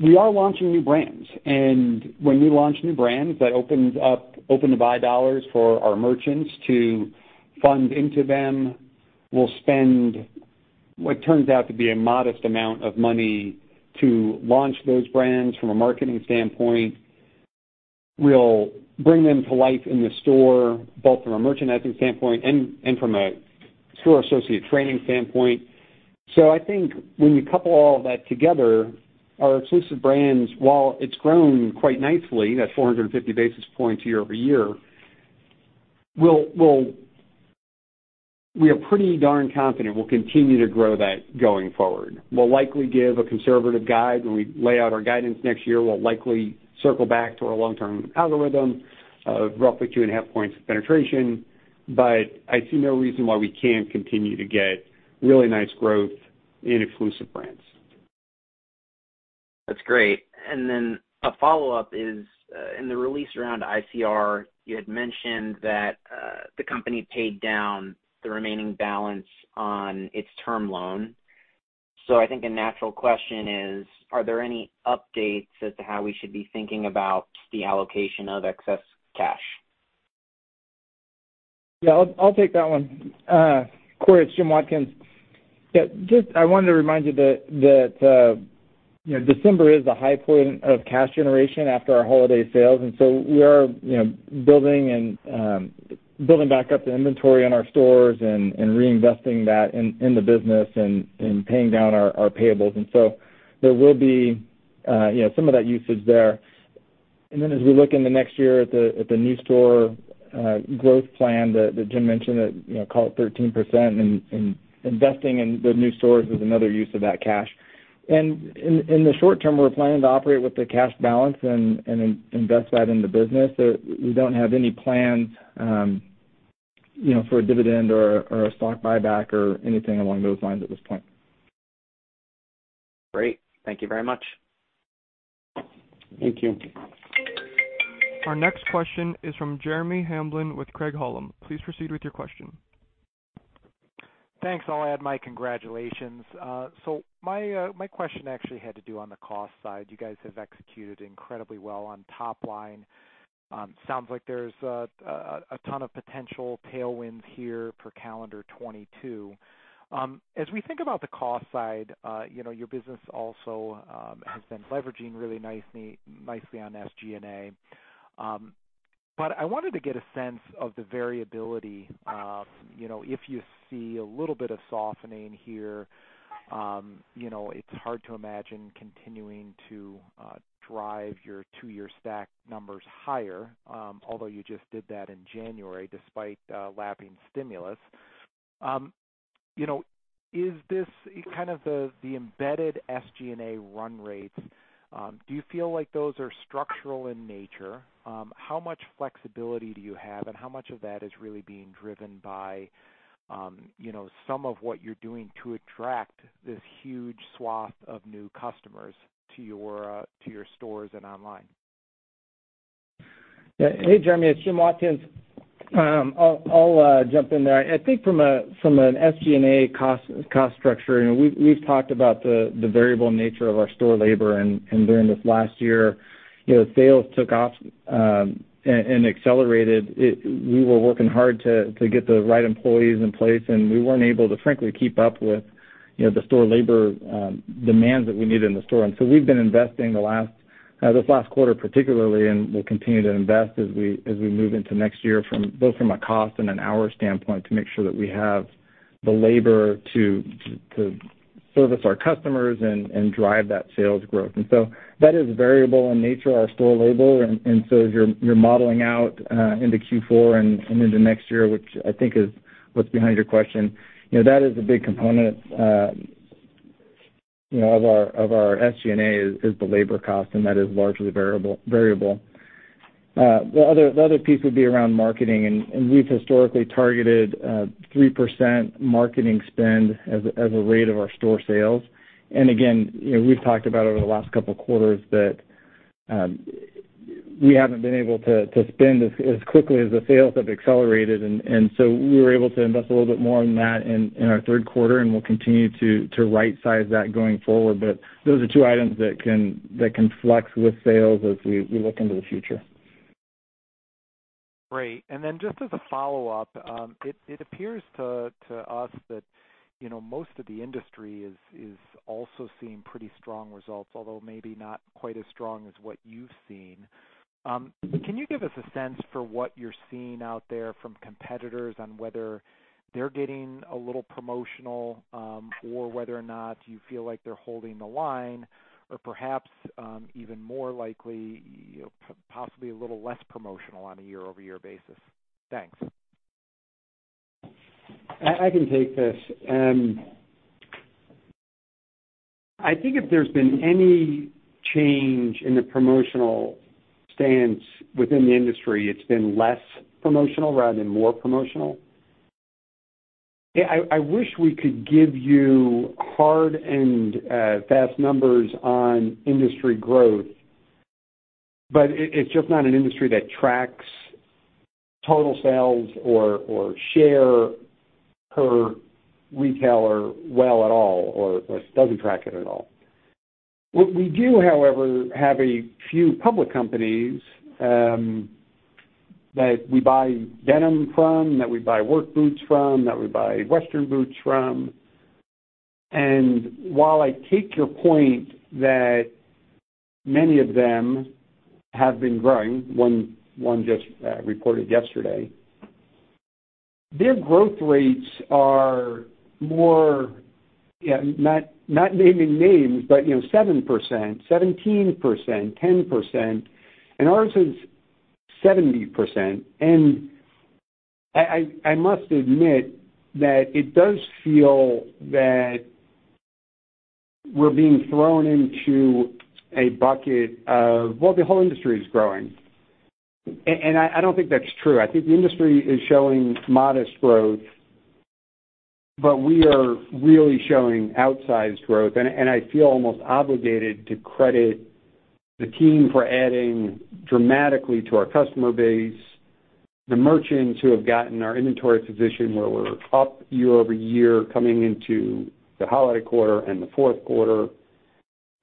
we are launching new brands. When we launch new brands, that opens up open-to-buy dollars for our merchants to fund into them. We'll spend what turns out to be a modest amount of money to launch those brands from a marketing standpoint. We'll bring them to life in the store, both from a merchandising standpoint and from a store associate training standpoint. I think when you couple all of that together, our exclusive brands, while it's grown quite nicely at 450 basis points year-over-year, we are pretty darn confident we'll continue to grow that going forward. We'll likely give a conservative guide. When we lay out our guidance next year, we'll likely circle back to our long-term algorithm of roughly 2.5 points of penetration. I see no reason why we can't continue to get really nice growth in exclusive brands. That's great. Then a follow-up is, in the release around ICR, you had mentioned that, the company paid down the remaining balance on its term loan. I think a natural question is, are there any updates as to how we should be thinking about the allocation of excess cash? Yeah, I'll take that one. Corey, it's Jim Watkins. Yeah, just I wanted to remind you that you know, December is a high point of cash generation after our holiday sales. We are you know, building back up the inventory in our stores and reinvesting that in the business and paying down our payables. There will be you know, some of that usage there. Then as we look in the next year at the new store growth plan that Jim mentioned you know, call it 13% and investing in the new stores is another use of that cash. In the short term, we're planning to operate with the cash balance and invest that in the business. We don't have any plans, you know, for a dividend or a stock buyback or anything along those lines at this point. Great. Thank you very much. Thank you. Our next question is from Jeremy Hamblin with Craig-Hallum. Please proceed with your question. Thanks. I'll add my congratulations. So my question actually had to do with the cost side. You guys have executed incredibly well on top line. Sounds like there's a ton of potential tailwinds here for calendar 2022. As we think about the cost side, you know, your business also has been leveraging really nicely on SG&A. But I wanted to get a sense of the variability, you know, if you see a little bit of softening here. You know, it's hard to imagine continuing to drive your two-year stack numbers higher, although you just did that in January despite lapping stimulus. You know, is this kind of the embedded SG&A run rates, do you feel like those are structural in nature? How much flexibility do you have, and how much of that is really being driven by, you know, some of what you're doing to attract this huge swath of new customers to your stores and online? Yeah. Hey, Jeremy, it's Jim Watkins. I'll jump in there. I think from an SG&A cost structure, and we've talked about the variable nature of our store labor and during this last year, you know, sales took off and accelerated. We were working hard to get the right employees in place, and we weren't able to, frankly, keep up with, you know, the store labor demands that we needed in the store. We've been investing this last quarter particularly, and we'll continue to invest as we move into next year from both a cost and an hour standpoint, to make sure that we have the labor to service our customers and drive that sales growth. That is variable in nature, our store labor, and as you're modeling out into Q4 and into next year, which I think is what's behind your question, you know, that is a big component, you know, of our SG&A, is the labor cost, and that is largely variable. The other piece would be around marketing. We've historically targeted 3% marketing spend as a rate of our store sales. And again, you know, we've talked about over the last couple of quarters that we haven't been able to spend as quickly as the sales have accelerated. We were able to invest a little bit more on that in our third quarter, and we'll continue to right-size that going forward. Those are two items that can flex with sales as we look into the future. Great. Just as a follow-up, it appears to us that, you know, most of the industry is also seeing pretty strong results, although maybe not quite as strong as what you've seen. Can you give us a sense for what you're seeing out there from competitors on whether they're getting a little promotional, or whether or not you feel like they're holding the line or perhaps, even more likely, you know, possibly a little less promotional on a year-over-year basis? Thanks. I can take this. I think if there's been any change in the promotional stance within the industry, it's been less promotional rather than more promotional. I wish we could give you hard and fast numbers on industry growth, but it's just not an industry that tracks total sales or share per retailer well at all or doesn't track it at all. What we do, however, have a few public companies that we buy denim from, that we buy work boots from, that we buy Western boots from. While I take your point that many of them have been growing, one just reported yesterday, their growth rates are more, not naming names, but you know, 7%, 17%, 10%, and ours is 70%. I must admit that it does feel that we're being thrown into a bucket of, well, the whole industry is growing. I don't think that's true. I think the industry is showing modest growth, but we are really showing outsized growth. I feel almost obligated to credit the team for adding dramatically to our customer base, the merchants who have gotten our inventory position where we're up year over year coming into the holiday quarter and the fourth quarter,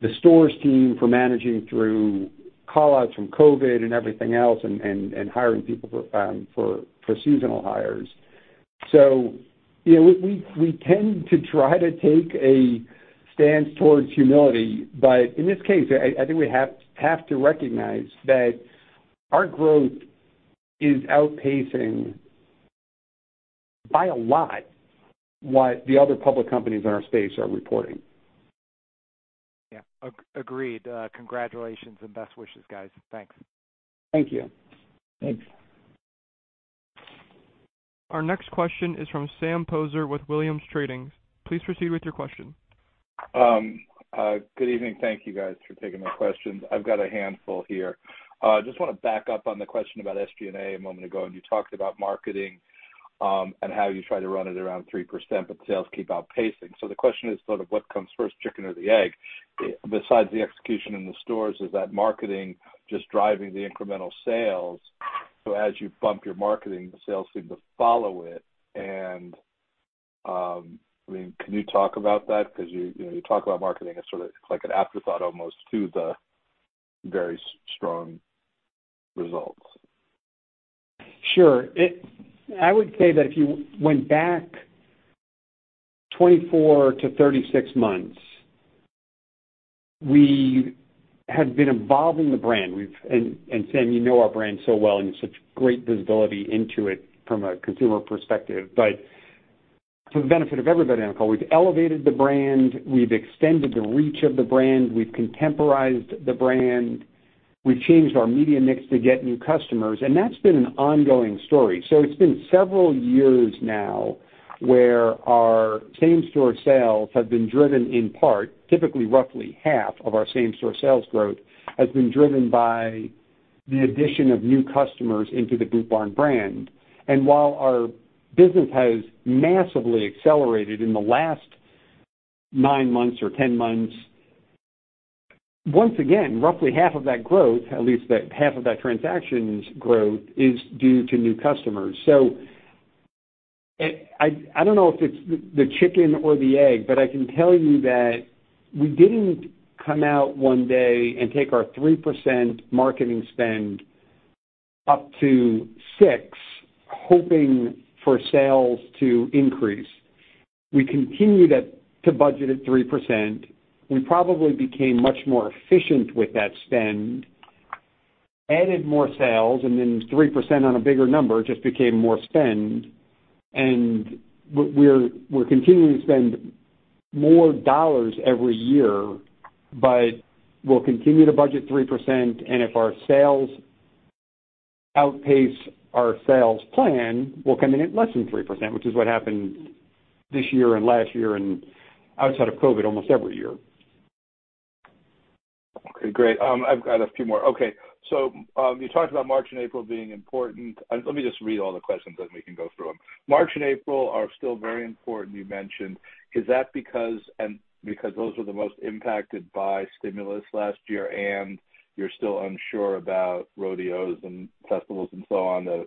the stores team for managing through call-outs from COVID and everything else and hiring people for seasonal hires. You know, we tend to try to take a stance towards humility. In this case, I think we have to recognize that our growth is outpacing by a lot what the other public companies in our space are reporting. Yeah. Agreed. Congratulations and best wishes, guys. Thanks. Thank you. Thanks. Our next question is from Sam Poser with Williams Trading. Please proceed with your question. Good evening. Thank you guys for taking my questions. I've got a handful here. Just wanna back up on the question about SG&A a moment ago. You talked about marketing, and how you try to run it around 3%, but sales keep outpacing. The question is sort of what comes first, chicken or the egg? Besides the execution in the stores, is that marketing just driving the incremental sales, so as you bump your marketing, the sales seem to follow it. I mean, can you talk about that? Because you know, you talk about marketing as sort of like an afterthought almost to the very strong results. Sure. I would say that if you went back 24-36 months. We have been evolving the brand. Sam, you know our brand so well, and you have such great visibility into it from a consumer perspective. For the benefit of everybody on the call, we've elevated the brand, we've extended the reach of the brand, we've contemporized the brand. We've changed our media mix to get new customers, and that's been an ongoing story. It's been several years now where our same-store sales have been driven in part. Typically, roughly half of our same-store sales growth has been driven by the addition of new customers into the Boot Barn brand. While our business has massively accelerated in the last nine months or 10 months, once again, roughly half of that growth, at least half of that transactions growth, is due to new customers. I don't know if it's the chicken or the egg, but I can tell you that we didn't come out one day and take our 3% marketing spend up to six, hoping for sales to increase. We continued to budget at 3%. We probably became much more efficient with that spend, added more sales, and then 3% on a bigger number just became more spend. We're continuing to spend more dollars every year, but we'll continue to budget 3%, and if our sales outpace our sales plan, we'll come in at less than 3%, which is what happened this year and last year and outside of COVID, almost every year. Okay, great. I've got a few more. Okay. You talked about March and April being important. Let me just read all the questions, then we can go through them. March and April are still very important, you mentioned. Is that because those were the most impacted by stimulus last year, and you're still unsure about rodeos and festivals and so on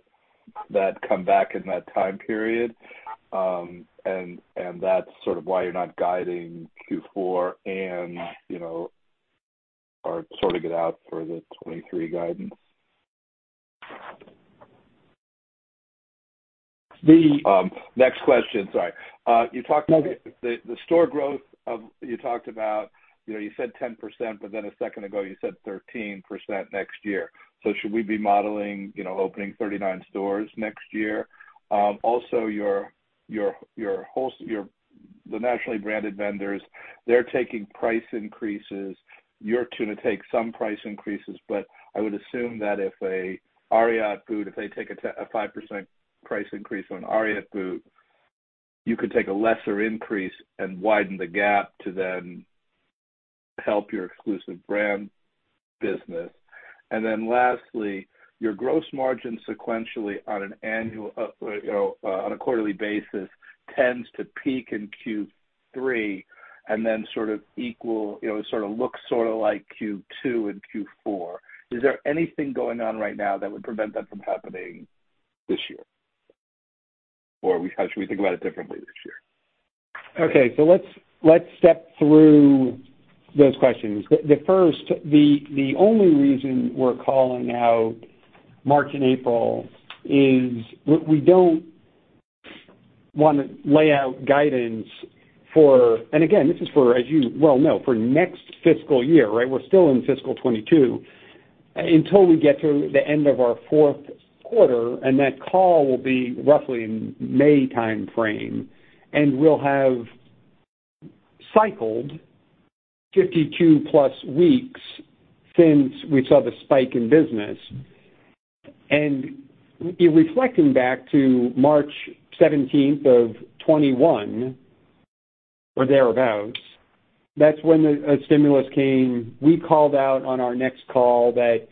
that come back in that time period, and that's sort of why you're not guiding Q4 and, you know, are sorting it out for the 2023 guidance? The. Next question. Sorry. You talked. You talked about, you know, you said 10%, but then a second ago you said 13% next year. So should we be modeling, you know, opening 39 stores next year? Also, the nationally branded vendors, they're taking price increases. You're going to take some price increases, but I would assume that if a Ariat boot, if they take a 5% price increase on Ariat boot, you could take a lesser increase and widen the gap to then help your exclusive brand business. Then lastly, your gross margin sequentially on a quarterly basis tends to peak in Q3 and then sort of looks like Q2 and Q4. Is there anything going on right now that would prevent that from happening this year? How should we think about it differently this year? Okay. Let's step through those questions. The only reason we're calling out March and April is we don't wanna lay out guidance. Again, this is for, as you well know, for next fiscal year, right? We're still in fiscal 2022. Until we get to the end of our fourth quarter, that call will be roughly in May timeframe, and we'll have cycled 52+ weeks since we saw the spike in business. In reflecting back to March seventeenth of 2021 or thereabouts, that's when the stimulus came. We called out on our next call that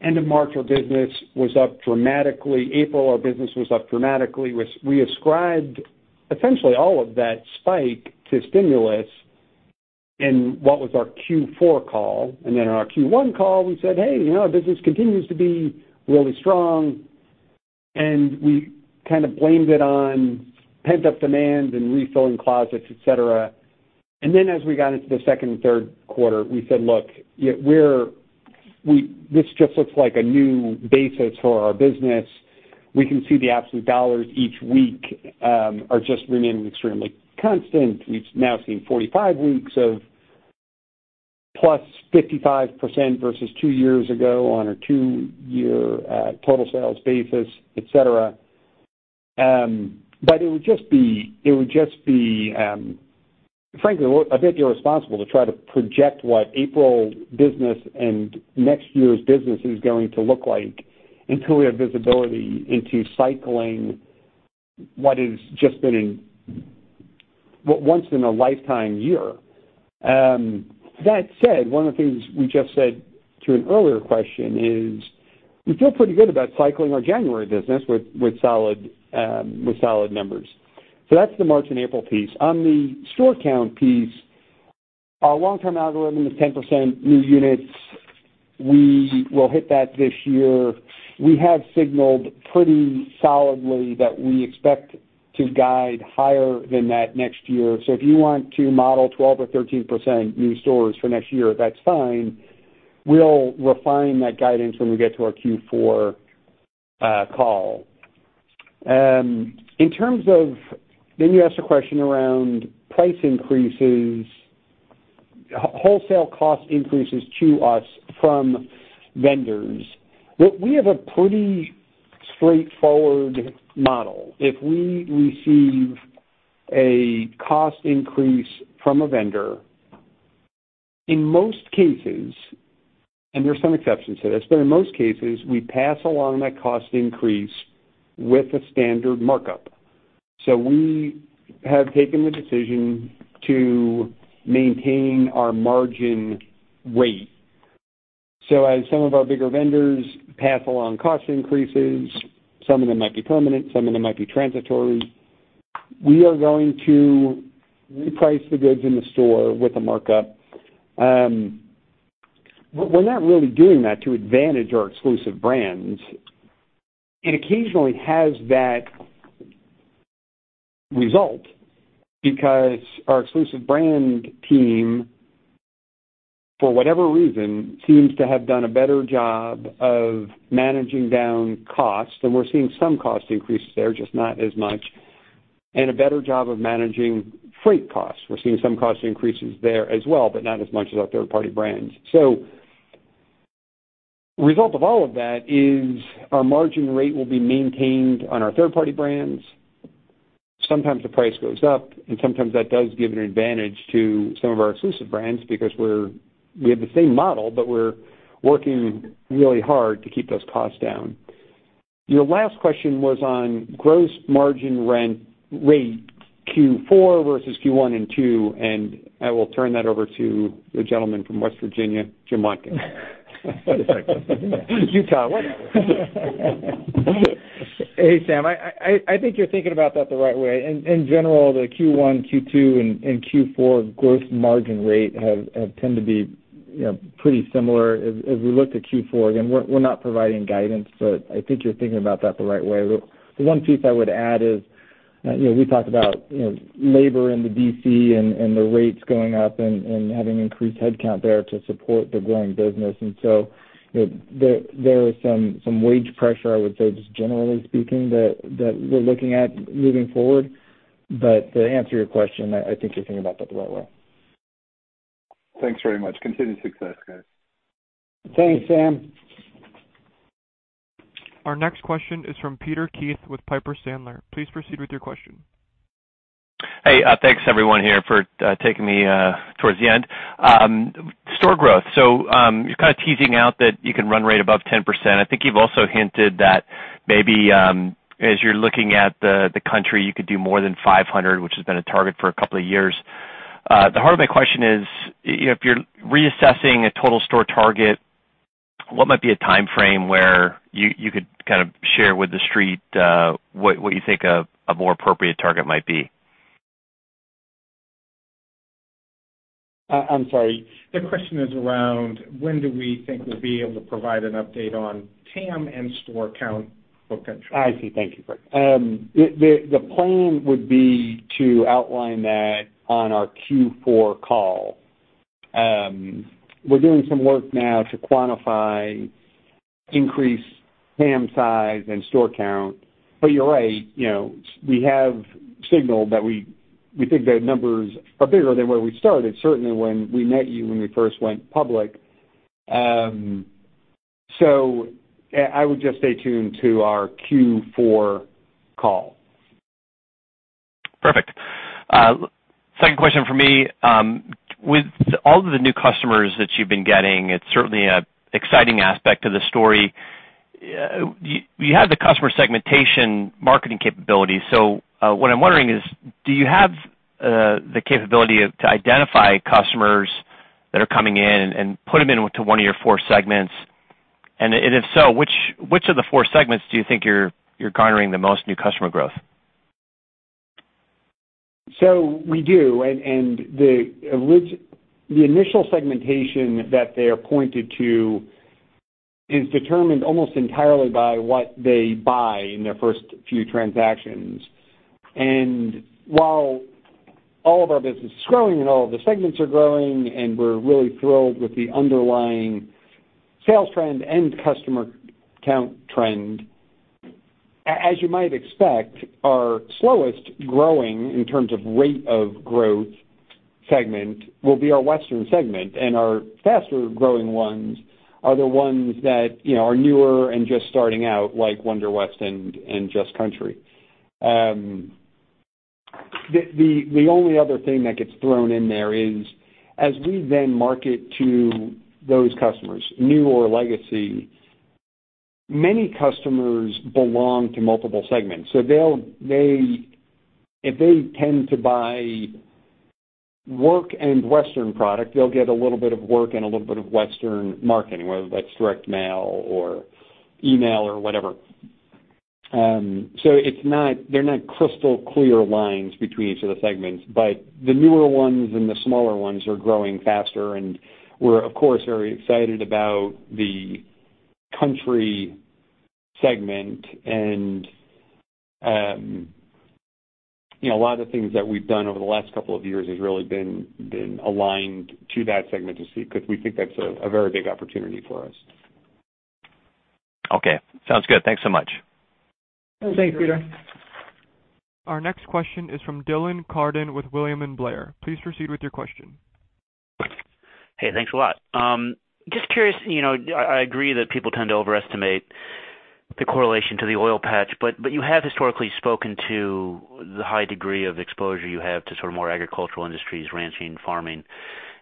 end of March, our business was up dramatically. April, our business was up dramatically. We ascribed essentially all of that spike to stimulus in what was our Q4 call. Then on our Q1 call, we said, "Hey, you know, our business continues to be really strong." We kind of blamed it on pent-up demand and refilling closets, et cetera. As we got into the second and third quarter, we said, "Look, this just looks like a new basis for our business. We can see the absolute dollars each week are just remaining extremely constant. We've now seen 45 weeks of +55% versus two years ago on a two-year total sales basis, et cetera." But it would just be frankly a bit irresponsible to try to project what April business and next year's business is going to look like until we have visibility into cycling what has just been a once in a lifetime year. That said, one of the things we just said to an earlier question is we feel pretty good about cycling our January business with solid numbers. That's the March and April piece. On the store count piece, our long-term algorithm is 10% new units. We will hit that this year. We have signaled pretty solidly that we expect to guide higher than that next year. If you want to model 12 or 13% new stores for next year, that's fine. We'll refine that guidance when we get to our Q4 call. In terms of you asked a question around price increases, wholesale cost increases to us from vendors. We have a pretty straightforward model. If we receive a cost increase from a vendor, in most cases, and there are some exceptions to this, but in most cases, we pass along that cost increase with a standard markup. We have taken the decision to maintain our margin rate. As some of our bigger vendors pass along cost increases, some of them might be permanent, some of them might be transitory. We are going to reprice the goods in the store with a markup. We're not really doing that to advantage our exclusive brands. It occasionally has that result because our exclusive brand team, for whatever reason, seems to have done a better job of managing down costs, and we're seeing some cost increases there, just not as much, and a better job of managing freight costs. We're seeing some cost increases there as well, but not as much as our third-party brands. Result of all of that is our margin rate will be maintained on our third-party brands. Sometimes the price goes up, and sometimes that does give an advantage to some of our exclusive brands because we have the same model, but we're working really hard to keep those costs down. Your last question was on gross margin rate Q4 versus Q1 and Q2, and I will turn that over to the gentleman from West Virginia, Jim Watkins, Utah, whatever. Hey, Sam. I think you're thinking about that the right way. In general, the Q1, Q2 and Q4 gross margin rate have tended to be, you know, pretty similar. As we look to Q4, again, we're not providing guidance, but I think you're thinking about that the right way. The one piece I would add is, you know, we talked about, you know, labor in the DC and the rates going up and having increased headcount there to support the growing business. There is some wage pressure, I would say, just generally speaking, that we're looking at moving forward. To answer your question, I think you're thinking about that the right way. Thanks very much. Continued success, guys. Thanks, Sam. Our next question is from Peter Keith with Piper Sandler. Please proceed with your question. Hey, thanks everyone here for taking me towards the end. Store growth. You're kind of teasing out that you can run rate above 10%. I think you've also hinted that maybe, as you're looking at the country, you could do more than 500, which has been a target for a couple of years. The heart of my question is, if you're reassessing a total store target, what might be a timeframe where you could kind of share with the street, what you think a more appropriate target might be? I'm sorry. The question is around when do we think we'll be able to provide an update on TAM and store count for country. I see. Thank you. The plan would be to outline that on our Q4 call. We're doing some work now to quantify increased TAM size and store count. You're right, you know, we have signaled that we think the numbers are bigger than where we started, certainly when we met you when we first went public. I would just stay tuned to our Q4 call. Perfect. Second question from me. With all of the new customers that you've been getting, it's certainly an exciting aspect to the story. You have the customer segmentation marketing capabilities. What I'm wondering is, do you have the capability to identify customers that are coming in and put them into one of your four segments? If so, which of the four segments do you think you're garnering the most new customer growth? We do. The initial segmentation that they're pointed to is determined almost entirely by what they buy in their first few transactions. While all of our business is growing and all of the segments are growing, and we're really thrilled with the underlying sales trend and customer count trend, as you might expect, our slowest growing in terms of rate of growth segment will be our Western segment. Our faster growing ones are the ones that, you know, are newer and just starting out, like Wonderwest and Just Country. The only other thing that gets thrown in there is, as we then market to those customers, new or legacy, many customers belong to multiple segments. They'll get a little bit of work and a little bit of Western marketing, whether that's direct mail or email or whatever if they tend to buy work and Western product. It's not crystal clear lines between each of the segments. The newer ones and the smaller ones are growing faster. We're, of course, very excited about the Country segment. You know, a lot of the things that we've done over the last couple of years has really been aligned to that segment to see, 'cause we think that's a very big opportunity for us. Okay. Sounds good. Thanks so much. Thanks, Peter. Our next question is from Dylan Carden with William Blair. Please proceed with your question. Hey, thanks a lot. Just curious, you know, I agree that people tend to overestimate the correlation to the oil patch, but you have historically spoken to the high degree of exposure you have to sort of more agricultural industries, ranching and farming,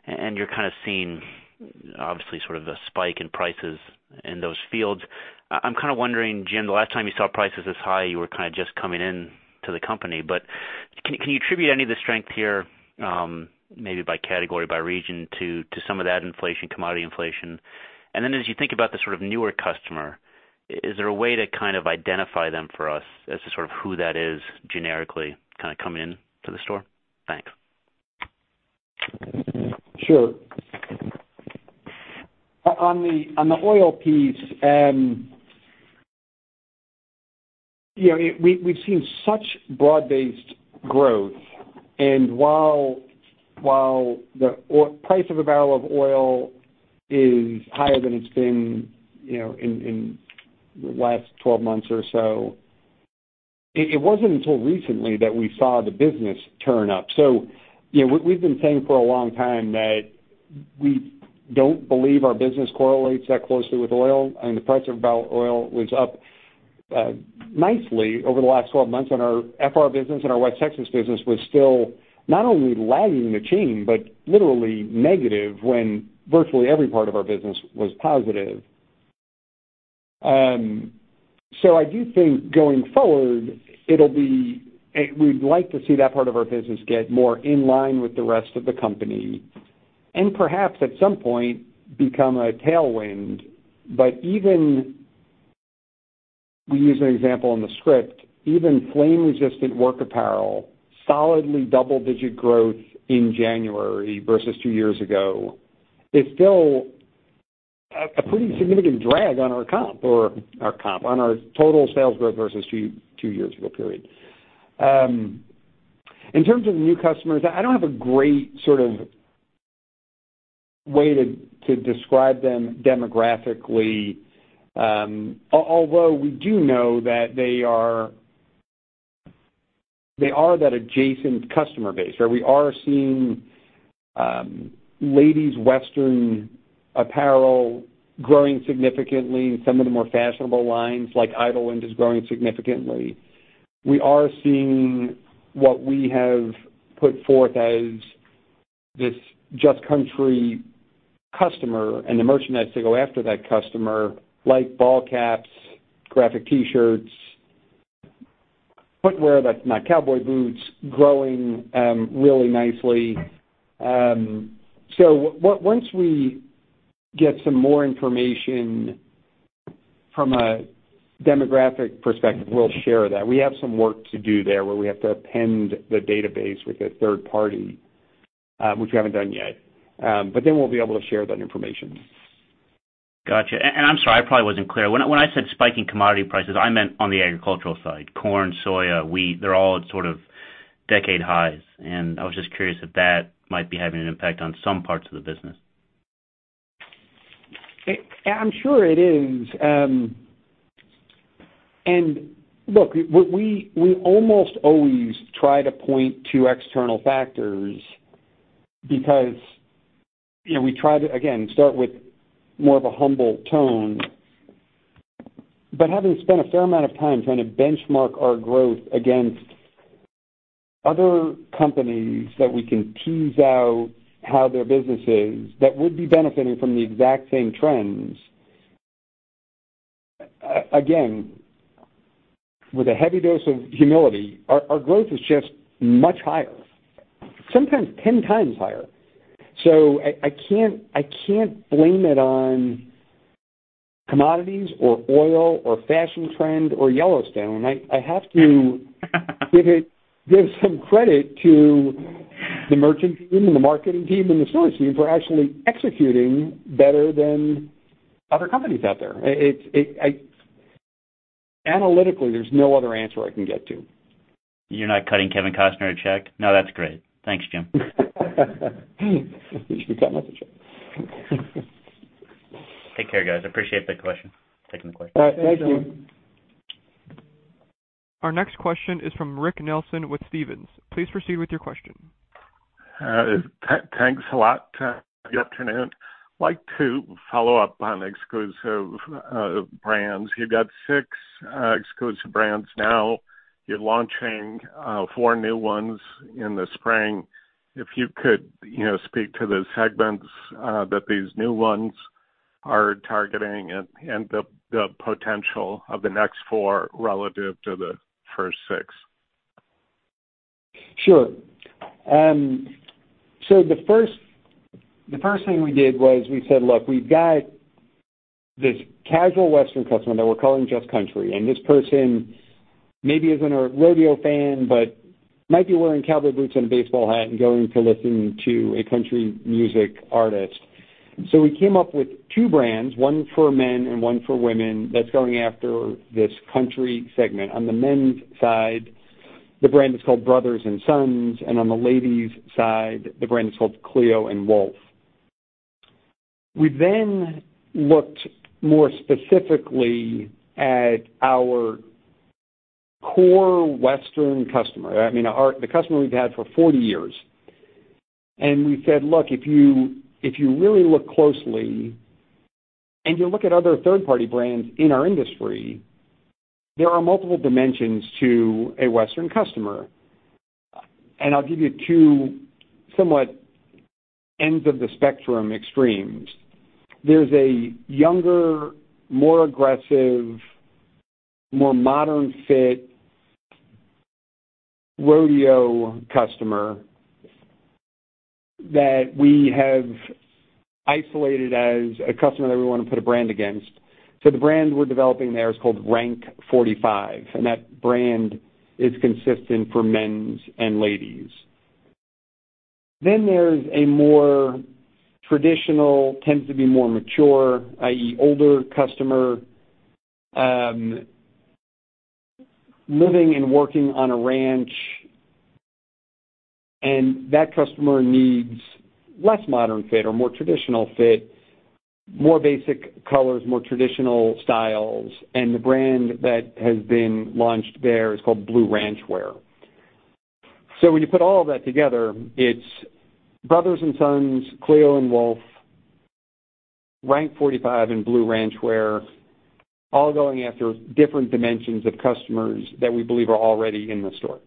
and you're kinda seeing obviously sort of a spike in prices in those fields. I'm kinda wondering, Jim, the last time you saw prices this high, you were kinda just coming in to the company, but can you attribute any of the strength here, maybe by category, by region to some of that inflation, commodity inflation? Then as you think about the sort of newer customer, is there a way to kind of identify them for us as to sort of who that is generically kinda coming in to the store? Thanks. Sure. On the oil piece, you know, we've seen such broad-based growth. While the price of a barrel of oil is higher than it's been, you know, in the last 12 months or so, it wasn't until recently that we saw the business turn up. You know, we've been saying for a long time that we don't believe our business correlates that closely with oil, and the price of a barrel of oil was up nicely over the last 12 months, and our FR business and our West Texas business was still not only lagging the chain, but literally negative when virtually every part of our business was positive. I do think going forward, it'll be We'd like to see that part of our business get more in line with the rest of the company, and perhaps at some point, become a tailwind. Even we use an example in the script, even flame-resistant work apparel, solidly double-digit growth in January versus two years ago, is still a pretty significant drag on our comp on our total sales growth versus two years ago period. In terms of new customers, I don't have a great sort of way to describe them demographically. Although we do know that they are that adjacent customer base, or we are seeing ladies' Western apparel growing significantly. Some of the more fashionable lines like Idyllwind is growing significantly. We are seeing what we have put forth as this Just Country customer and the merchandise to go after that customer, like ball caps, graphic T-shirts, footwear that's not cowboy boots, growing really nicely. Once we get some more information from a demographic perspective, we'll share that. We have some work to do there, where we have to append the database with a third party, which we haven't done yet. We'll be able to share that information. Gotcha. I'm sorry, I probably wasn't clear. When I said spike in commodity prices, I meant on the agricultural side, corn, soy, wheat. They're all at sort of decade highs, and I was just curious if that might be having an impact on some parts of the business. I'm sure it is. Look, what we almost always try to point to external factors because, you know, we try to again start with more of a humble tone. Having spent a fair amount of time trying to benchmark our growth against other companies that we can tease out how their business is that would be benefiting from the exact same trends. Again, with a heavy dose of humility, our growth is just much higher, sometimes 10 times higher. I can't blame it on commodities or oil or fashion trend or Yellowstone. I have to give some credit to the merchant team and the marketing team and the stores team for actually executing better than other companies out there. Analytically, there's no other answer I can get to. You're not cutting Kevin Costner a check? No, that's great. Thanks, Jim. We should cut him a check. Take care, guys. I appreciate the question. Taking the question. All right. Thank you. Our next question is from Rick Nelson with Stephens. Please proceed with your question. Thanks a lot. Good afternoon. I'd like to follow up on exclusive brands. You've got six exclusive brands now. You're launching four new ones in the spring. If you could speak to the segments that these new ones are targeting and the potential of the next four relative to the first six. The first thing we did was we said, "Look, we've got this casual Western customer that we're calling Just Country, and this person maybe isn't a rodeo fan, but might be wearing cowboy boots and a baseball hat and going to listen to a country music artist." We came up with two brands, one for men and one for women, that's going after this country segment. On the men's side, the brand is called Brothers and Sons, and on the ladies side, the brand is called Cleo & Wolf. We then looked more specifically at our core Western customer. I mean, our customer we've had for 40 years. We said, "Look, if you really look closely and you look at other third-party brands in our industry, there are multiple dimensions to a Western customer." I'll give you two somewhat ends of the spectrum extremes. There's a younger, more aggressive, more modern fit rodeo customer that we have isolated as a customer that we wanna put a brand against. The brand we're developing there is called RANK 45, and that brand is consistent for men's and ladies. There's a more traditional, tends to be more mature, i.e., older customer, living and working on a ranch, and that customer needs less modern fit or more traditional fit, more basic colors, more traditional styles, and the brand that has been launched there is called Blue Ranchwear. When you put all that together, it's Brothers and Sons, Cleo & Wolf, RANK 45, and Blue Ranchwear, all going after different dimensions of customers that we believe are already in the store.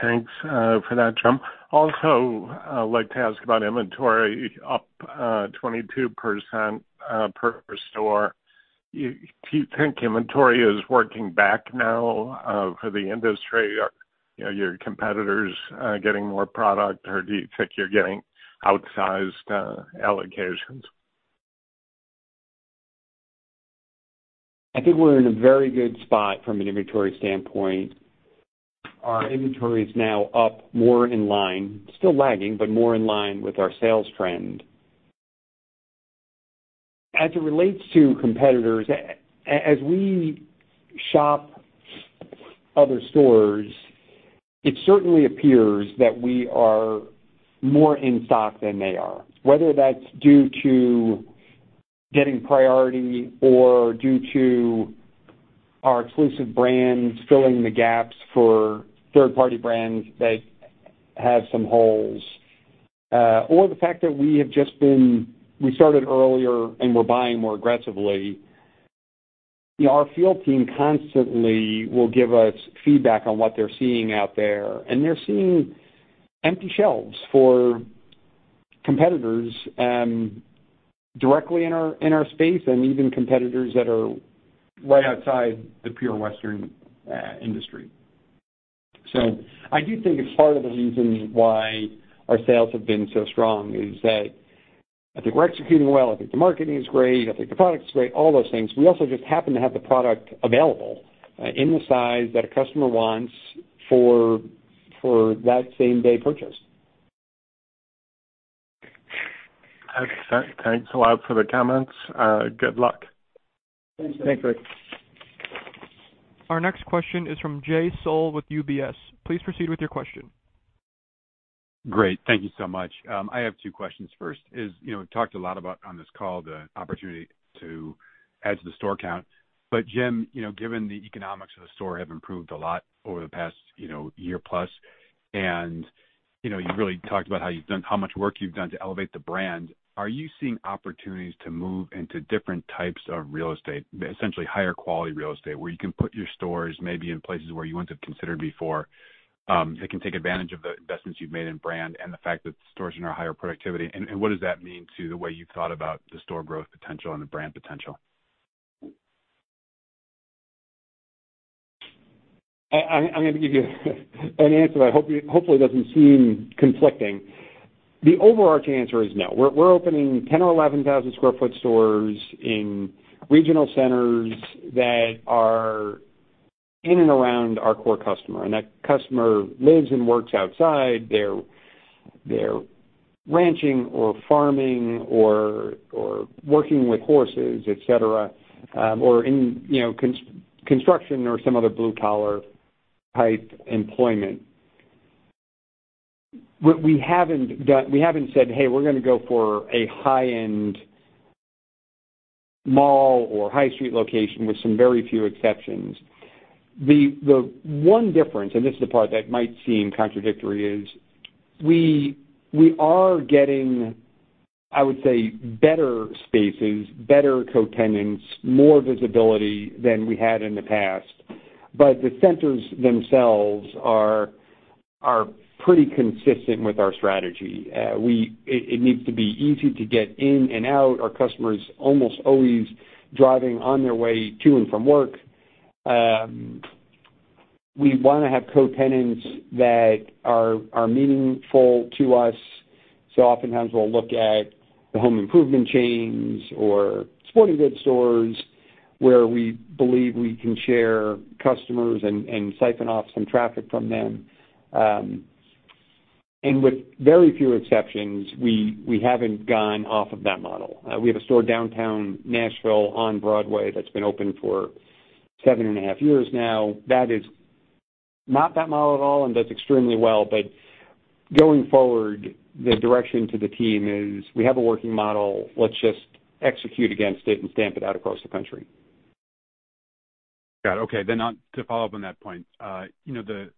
Thanks for that, Jim. Also, I'd like to ask about inventory up 22% per store. Do you think inventory is working back now for the industry? Are you know your competitors getting more product, or do you think you're getting outsized allocations? I think we're in a very good spot from an inventory standpoint. Our inventory is now up more in line, still lagging, but more in line with our sales trend. As it relates to competitors, as we shop other stores, it certainly appears that we are more in stock than they are, whether that's due to getting priority or due to our exclusive brands filling the gaps for third-party brands that have some holes, or the fact that we started earlier, and we're buying more aggressively. You know, our field team constantly will give us feedback on what they're seeing out there, and they're seeing empty shelves for competitors, directly in our space and even competitors that are right outside the pure Western industry. I do think it's part of the reason why our sales have been so strong, is that I think we're executing well. I think the marketing is great. I think the product is great, all those things. We also just happen to have the product available, in the size that a customer wants for that same-day purchase. Okay. Thanks a lot for the comments. Good luck. Thanks. Our next question is from Jay Sole with UBS. Please proceed with your question. Great. Thank you so much. I have two questions. First is, you know, talked a lot about on this call the opportunity to add to the store count. Jim, you know, given the economics of the store have improved a lot over the past, you know, year plus, and you really talked about how much work you've done to elevate the brand. Are you seeing opportunities to move into different types of real estate, essentially higher quality real estate, where you can put your stores maybe in places where you wouldn't have considered before, that can take advantage of the investments you've made in brand and the fact that stores are now higher productivity? What does that mean to the way you thought about the store growth potential and the brand potential? I'm gonna give you an answer that I hope you hopefully doesn't seem conflicting. The overarching answer is no. We're opening 10- or 11,000-sq ft stores in regional centers that are in and around our core customer, and that customer lives and works outside. They're ranching or farming or working with horses, et cetera, or in, you know, construction or some other blue-collar type employment. What we haven't done is we haven't said, "Hey, we're gonna go for a high-end mall or high street location with some very few exceptions." The one difference, and this is the part that might seem contradictory, is we are getting, I would say, better spaces, better co-tenants, more visibility than we had in the past. The centers themselves are pretty consistent with our strategy. It needs to be easy to get in and out. Our customers almost always driving on their way to and from work. We wanna have co-tenants that are meaningful to us. So oftentimes, we'll look at the home improvement chains or sporting goods stores where we believe we can share customers and siphon off some traffic from them. With very few exceptions, we haven't gone off of that model. We have a store downtown Nashville on Broadway that's been open for seven and a half years now. That is not that model at all and does extremely well. Going forward, the direction to the team is we have a working model, let's just execute against it and stamp it out across the country. Got it. Okay, to follow up on that point, you know, the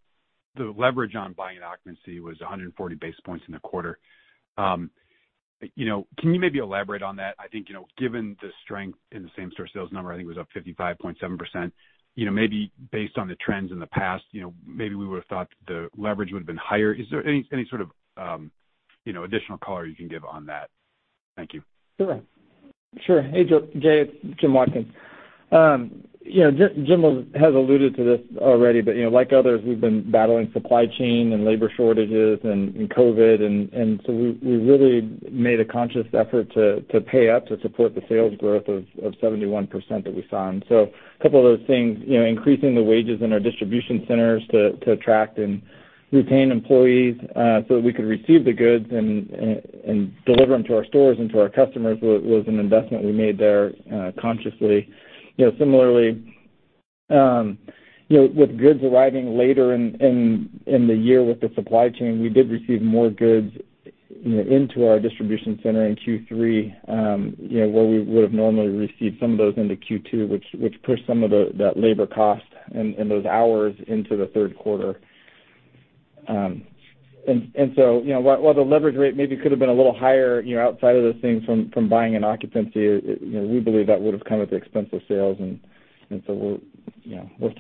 leverage on buying occupancy was 140 basis points in the quarter. You know, can you maybe elaborate on that? I think, you know, given the strength in the same store sales number, I think it was up 55.7%, you know, maybe based on the trends in the past, you know, maybe we would have thought the leverage would have been higher. Is there any sort of, you know, additional color you can give on that? Thank you. Sure. Hey, Jay, it's Jim Watkins. You know, Jim has alluded to this already, but you know, like others, we've been battling supply chain and labor shortages and COVID and so we really made a conscious effort to pay up to support the sales growth of 71% that we saw. A couple of those things, you know, increasing the wages in our distribution centers to attract and retain employees so we could receive the goods and deliver them to our stores and to our customers was an investment we made there consciously. You know, similarly, you know, with goods arriving later in the year with the supply chain, we did receive more goods, you know, into our distribution center in Q3, you know, where we would have normally received some of those into Q2, which pushed some of that labor cost and those hours into the third quarter. You know, while the leverage rate maybe could have been a little higher, you know, outside of those things from SG&A and occupancy, you know, we believe that would have come at the expense of sales. We're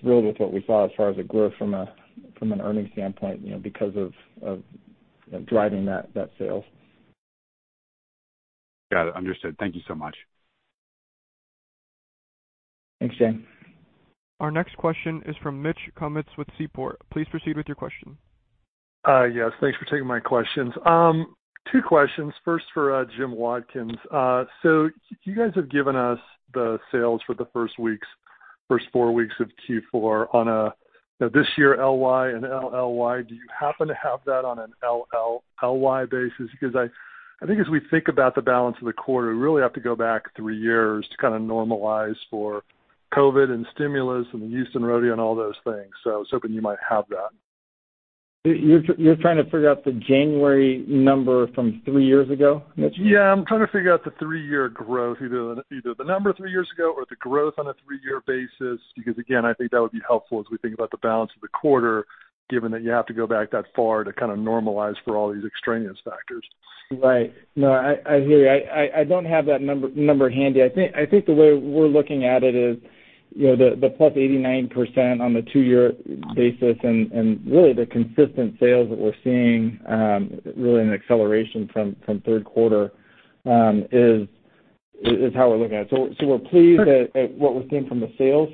thrilled with what we saw as far as the growth from an earnings standpoint, you know, because of driving that sales. Got it. Understood. Thank you so much. Thanks, Jay. Our next question is from Mitch Kummetz with Seaport. Please proceed with your question. Yes, thanks for taking my questions. Two questions. First for Jim Watkins. So you guys have given us the sales for the first four weeks of Q4 on a, you know, this year LY and LLY. Do you happen to have that on an LLLY basis? Because I think as we think about the balance of the quarter, we really have to go back three years to kinda normalize for COVID and stimulus and the Houston Rodeo and all those things. I was hoping you might have that. You're trying to figure out the January number from three years ago, Mitch? Yeah, I'm trying to figure out the three-year growth, either the number three years ago or the growth on a three-year basis, because again, I think that would be helpful as we think about the balance of the quarter, given that you have to go back that far to kinda normalize for all these extraneous factors. Right. No, I hear you. I don't have that number handy. I think the way we're looking at it is, you know, the +89% on the two-year basis and really the consistent sales that we're seeing, really an acceleration from third quarter, is how we're looking at it. We're pleased at what we're seeing from the sales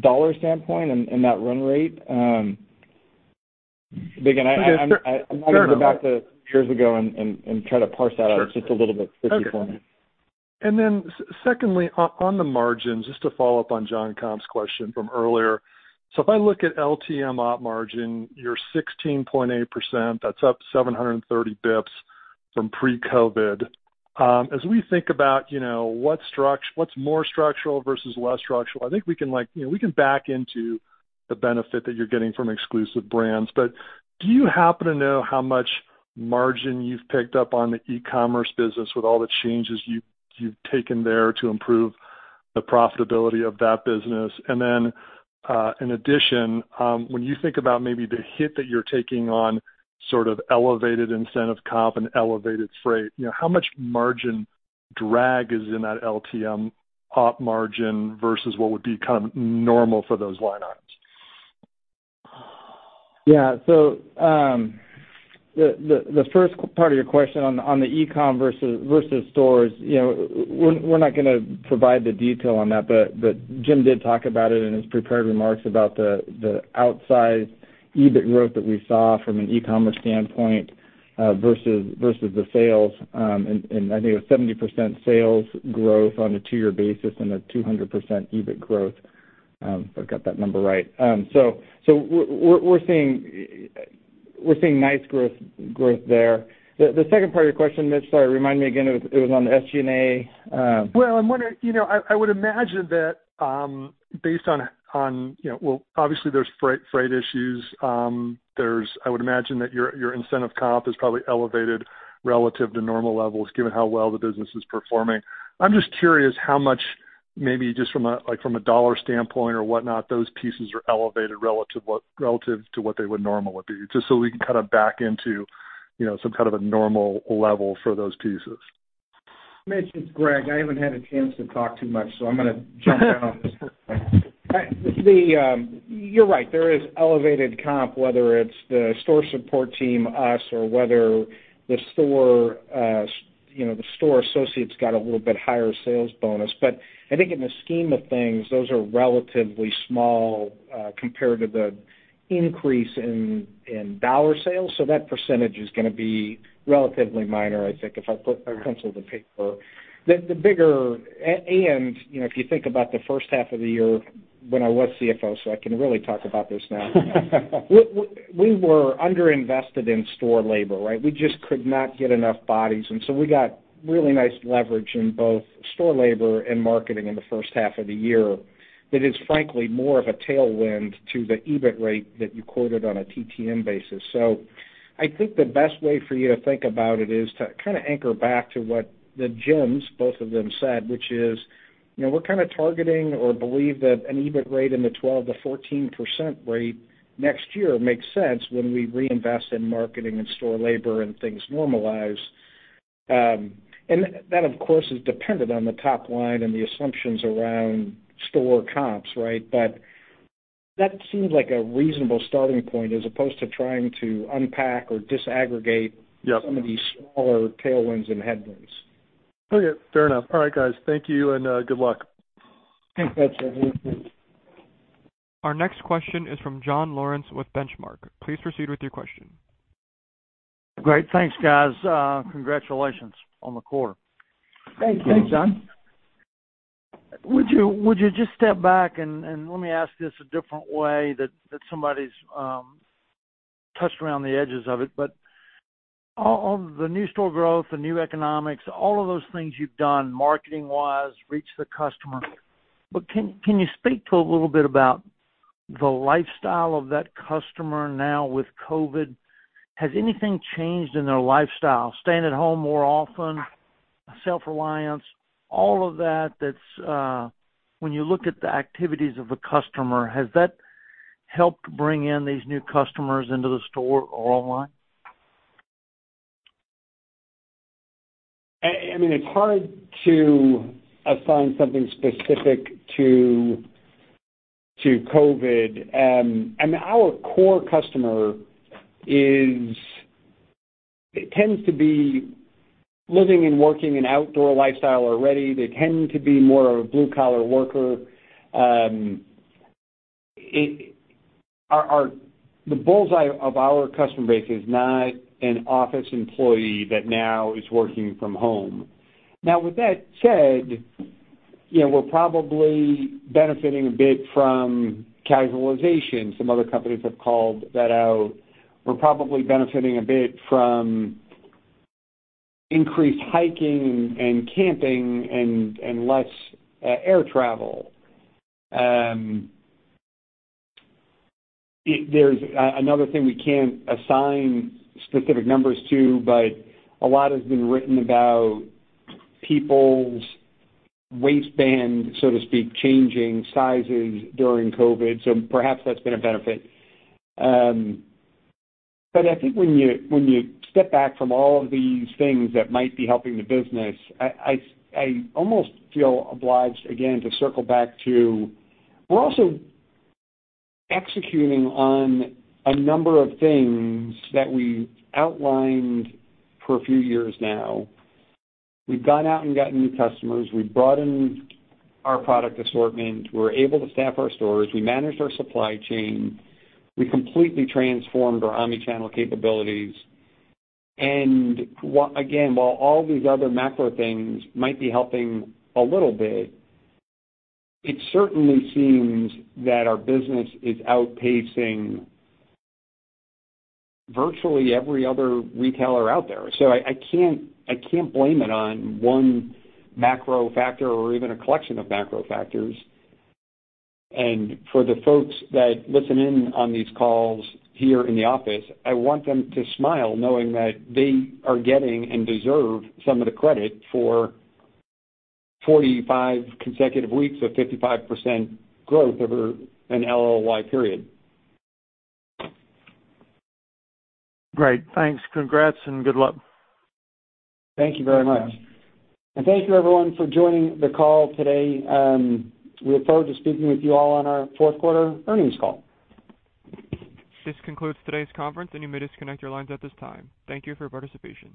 dollar standpoint and that run rate. Again, I'm back to years ago and try to parse that out just a little bit for you. Secondly, on the margins, just to follow up on Jonathan Komp's question from earlier. If I look at LTM op margin, your 16.8%, that's up 730 basis points from pre-COVID. As we think about, you know, what's more structural versus less structural, I think we can like, you know, we can back into the benefit that you're getting from exclusive brands. But do you happen to know how much margin you've picked up on the e-commerce business with all the changes you've taken there to improve the profitability of that business? In addition, when you think about maybe the hit that you're taking on sort of elevated incentive comp and elevated freight, you know, how much margin drag is in that LTM op margin versus what would be kind of normal for those line items? Yeah. The first part of your question on the e-comm versus stores, you know, we're not gonna provide the detail on that, but Jim did talk about it in his prepared remarks about the outsized EBIT growth that we saw from an e-commerce standpoint versus the sales. I think it was 70% sales growth on a two-year basis and 200% EBIT growth, if I've got that number right. We're seeing nice growth there. The second part of your question, Mitch, sorry, remind me again. It was on the SG&A. Well, I'm wondering, you know, I would imagine that, based on, you know, well, obviously there's freight issues. I would imagine that your incentive comp is probably elevated relative to normal levels given how well the business is performing. I'm just curious how much maybe just from a, like, from a dollar standpoint or whatnot, those pieces are elevated relative to what they would normally be, just so we can kinda back into, you know, some kind of a normal level for those pieces. Mitch, it's Greg. I haven't had a chance to talk too much, so I'm gonna jump in on this one. The, you're right. There is elevated comp, whether it's the store support team, us, or whether the store associates got a little bit higher sales bonus, but I think in the scheme of things, those are relatively small, compared to the increase in dollar sales. That percentage is gonna be relatively minor, I think, if I put a pencil to paper. The bigger and, you know, if you think about the first half of the year when I was CFO, so I can really talk about this now. We were under-invested in store labor, right? We just could not get enough bodies, and we got really nice leverage in both store labor and marketing in the first half of the year that is frankly more of a tailwind to the EBIT rate that you quoted on a TTM basis. I think the best way for you to think about it is to kinda anchor back to what the Jims, both of them said, which is, you know, we're kinda targeting or believe that an EBIT rate in the 12%-14% next year makes sense when we reinvest in marketing and store labor and things normalize. That, of course, is dependent on the top line and the assumptions around store comps, right? That seems like a reasonable starting point as opposed to trying to unpack or disaggregate some of these smaller tailwinds and headwinds. Yeah. Okay, fair enough. All right, guys. Thank you, and good luck. Thanks. Our next question is from John Lawrence with Benchmark. Please proceed with your question. Great. Thanks, guys. Congratulations on the quarter. Thanks. Thanks, John. Would you just step back and let me ask this a different way that somebody's touched around the edges of it. All of the new store growth, the new economics, all of those things you've done marketing-wise, reach the customer, but can you speak to a little bit about the lifestyle of that customer now with COVID? Has anything changed in their lifestyle? Staying at home more often, self-reliance, all of that that's when you look at the activities of the customer, has that helped bring in these new customers into the store or online? I mean, it's hard to assign something specific to COVID. I mean, our core customer tends to be living and working in outdoor lifestyle already. They tend to be more of a blue collar worker. The bull's eye of our customer base is not an office employee that now is working from home. Now with that said, you know, we're probably benefiting a bit from casualization. Some other companies have called that out. We're probably benefiting a bit from increased hiking and camping and less air travel. Another thing we can't assign specific numbers to, but a lot has been written about people's waistband, so to speak, changing sizes during COVID. So perhaps that's been a benefit. I think when you step back from all of these things that might be helping the business, I almost feel obliged again to circle back to we're also executing on a number of things that we outlined for a few years now. We've gone out and gotten new customers. We've broadened our product assortment. We're able to staff our stores. We managed our supply chain. We completely transformed our omnichannel capabilities. Again, while all these other macro things might be helping a little bit, it certainly seems that our business is outpacing virtually every other retailer out there. I can't blame it on one macro factor or even a collection of macro factors. For the folks that listen in on these calls here in the office, I want them to smile knowing that they are getting and deserve some of the credit for 45 consecutive weeks of 55% growth over an LLY period. Great. Thanks. Congrats and good luck. Thank you very much. Thank you everyone for joining the call today. We look forward to speaking with you all on our fourth quarter earnings call. This concludes today's conference, and you may disconnect your lines at this time. Thank you for your participation.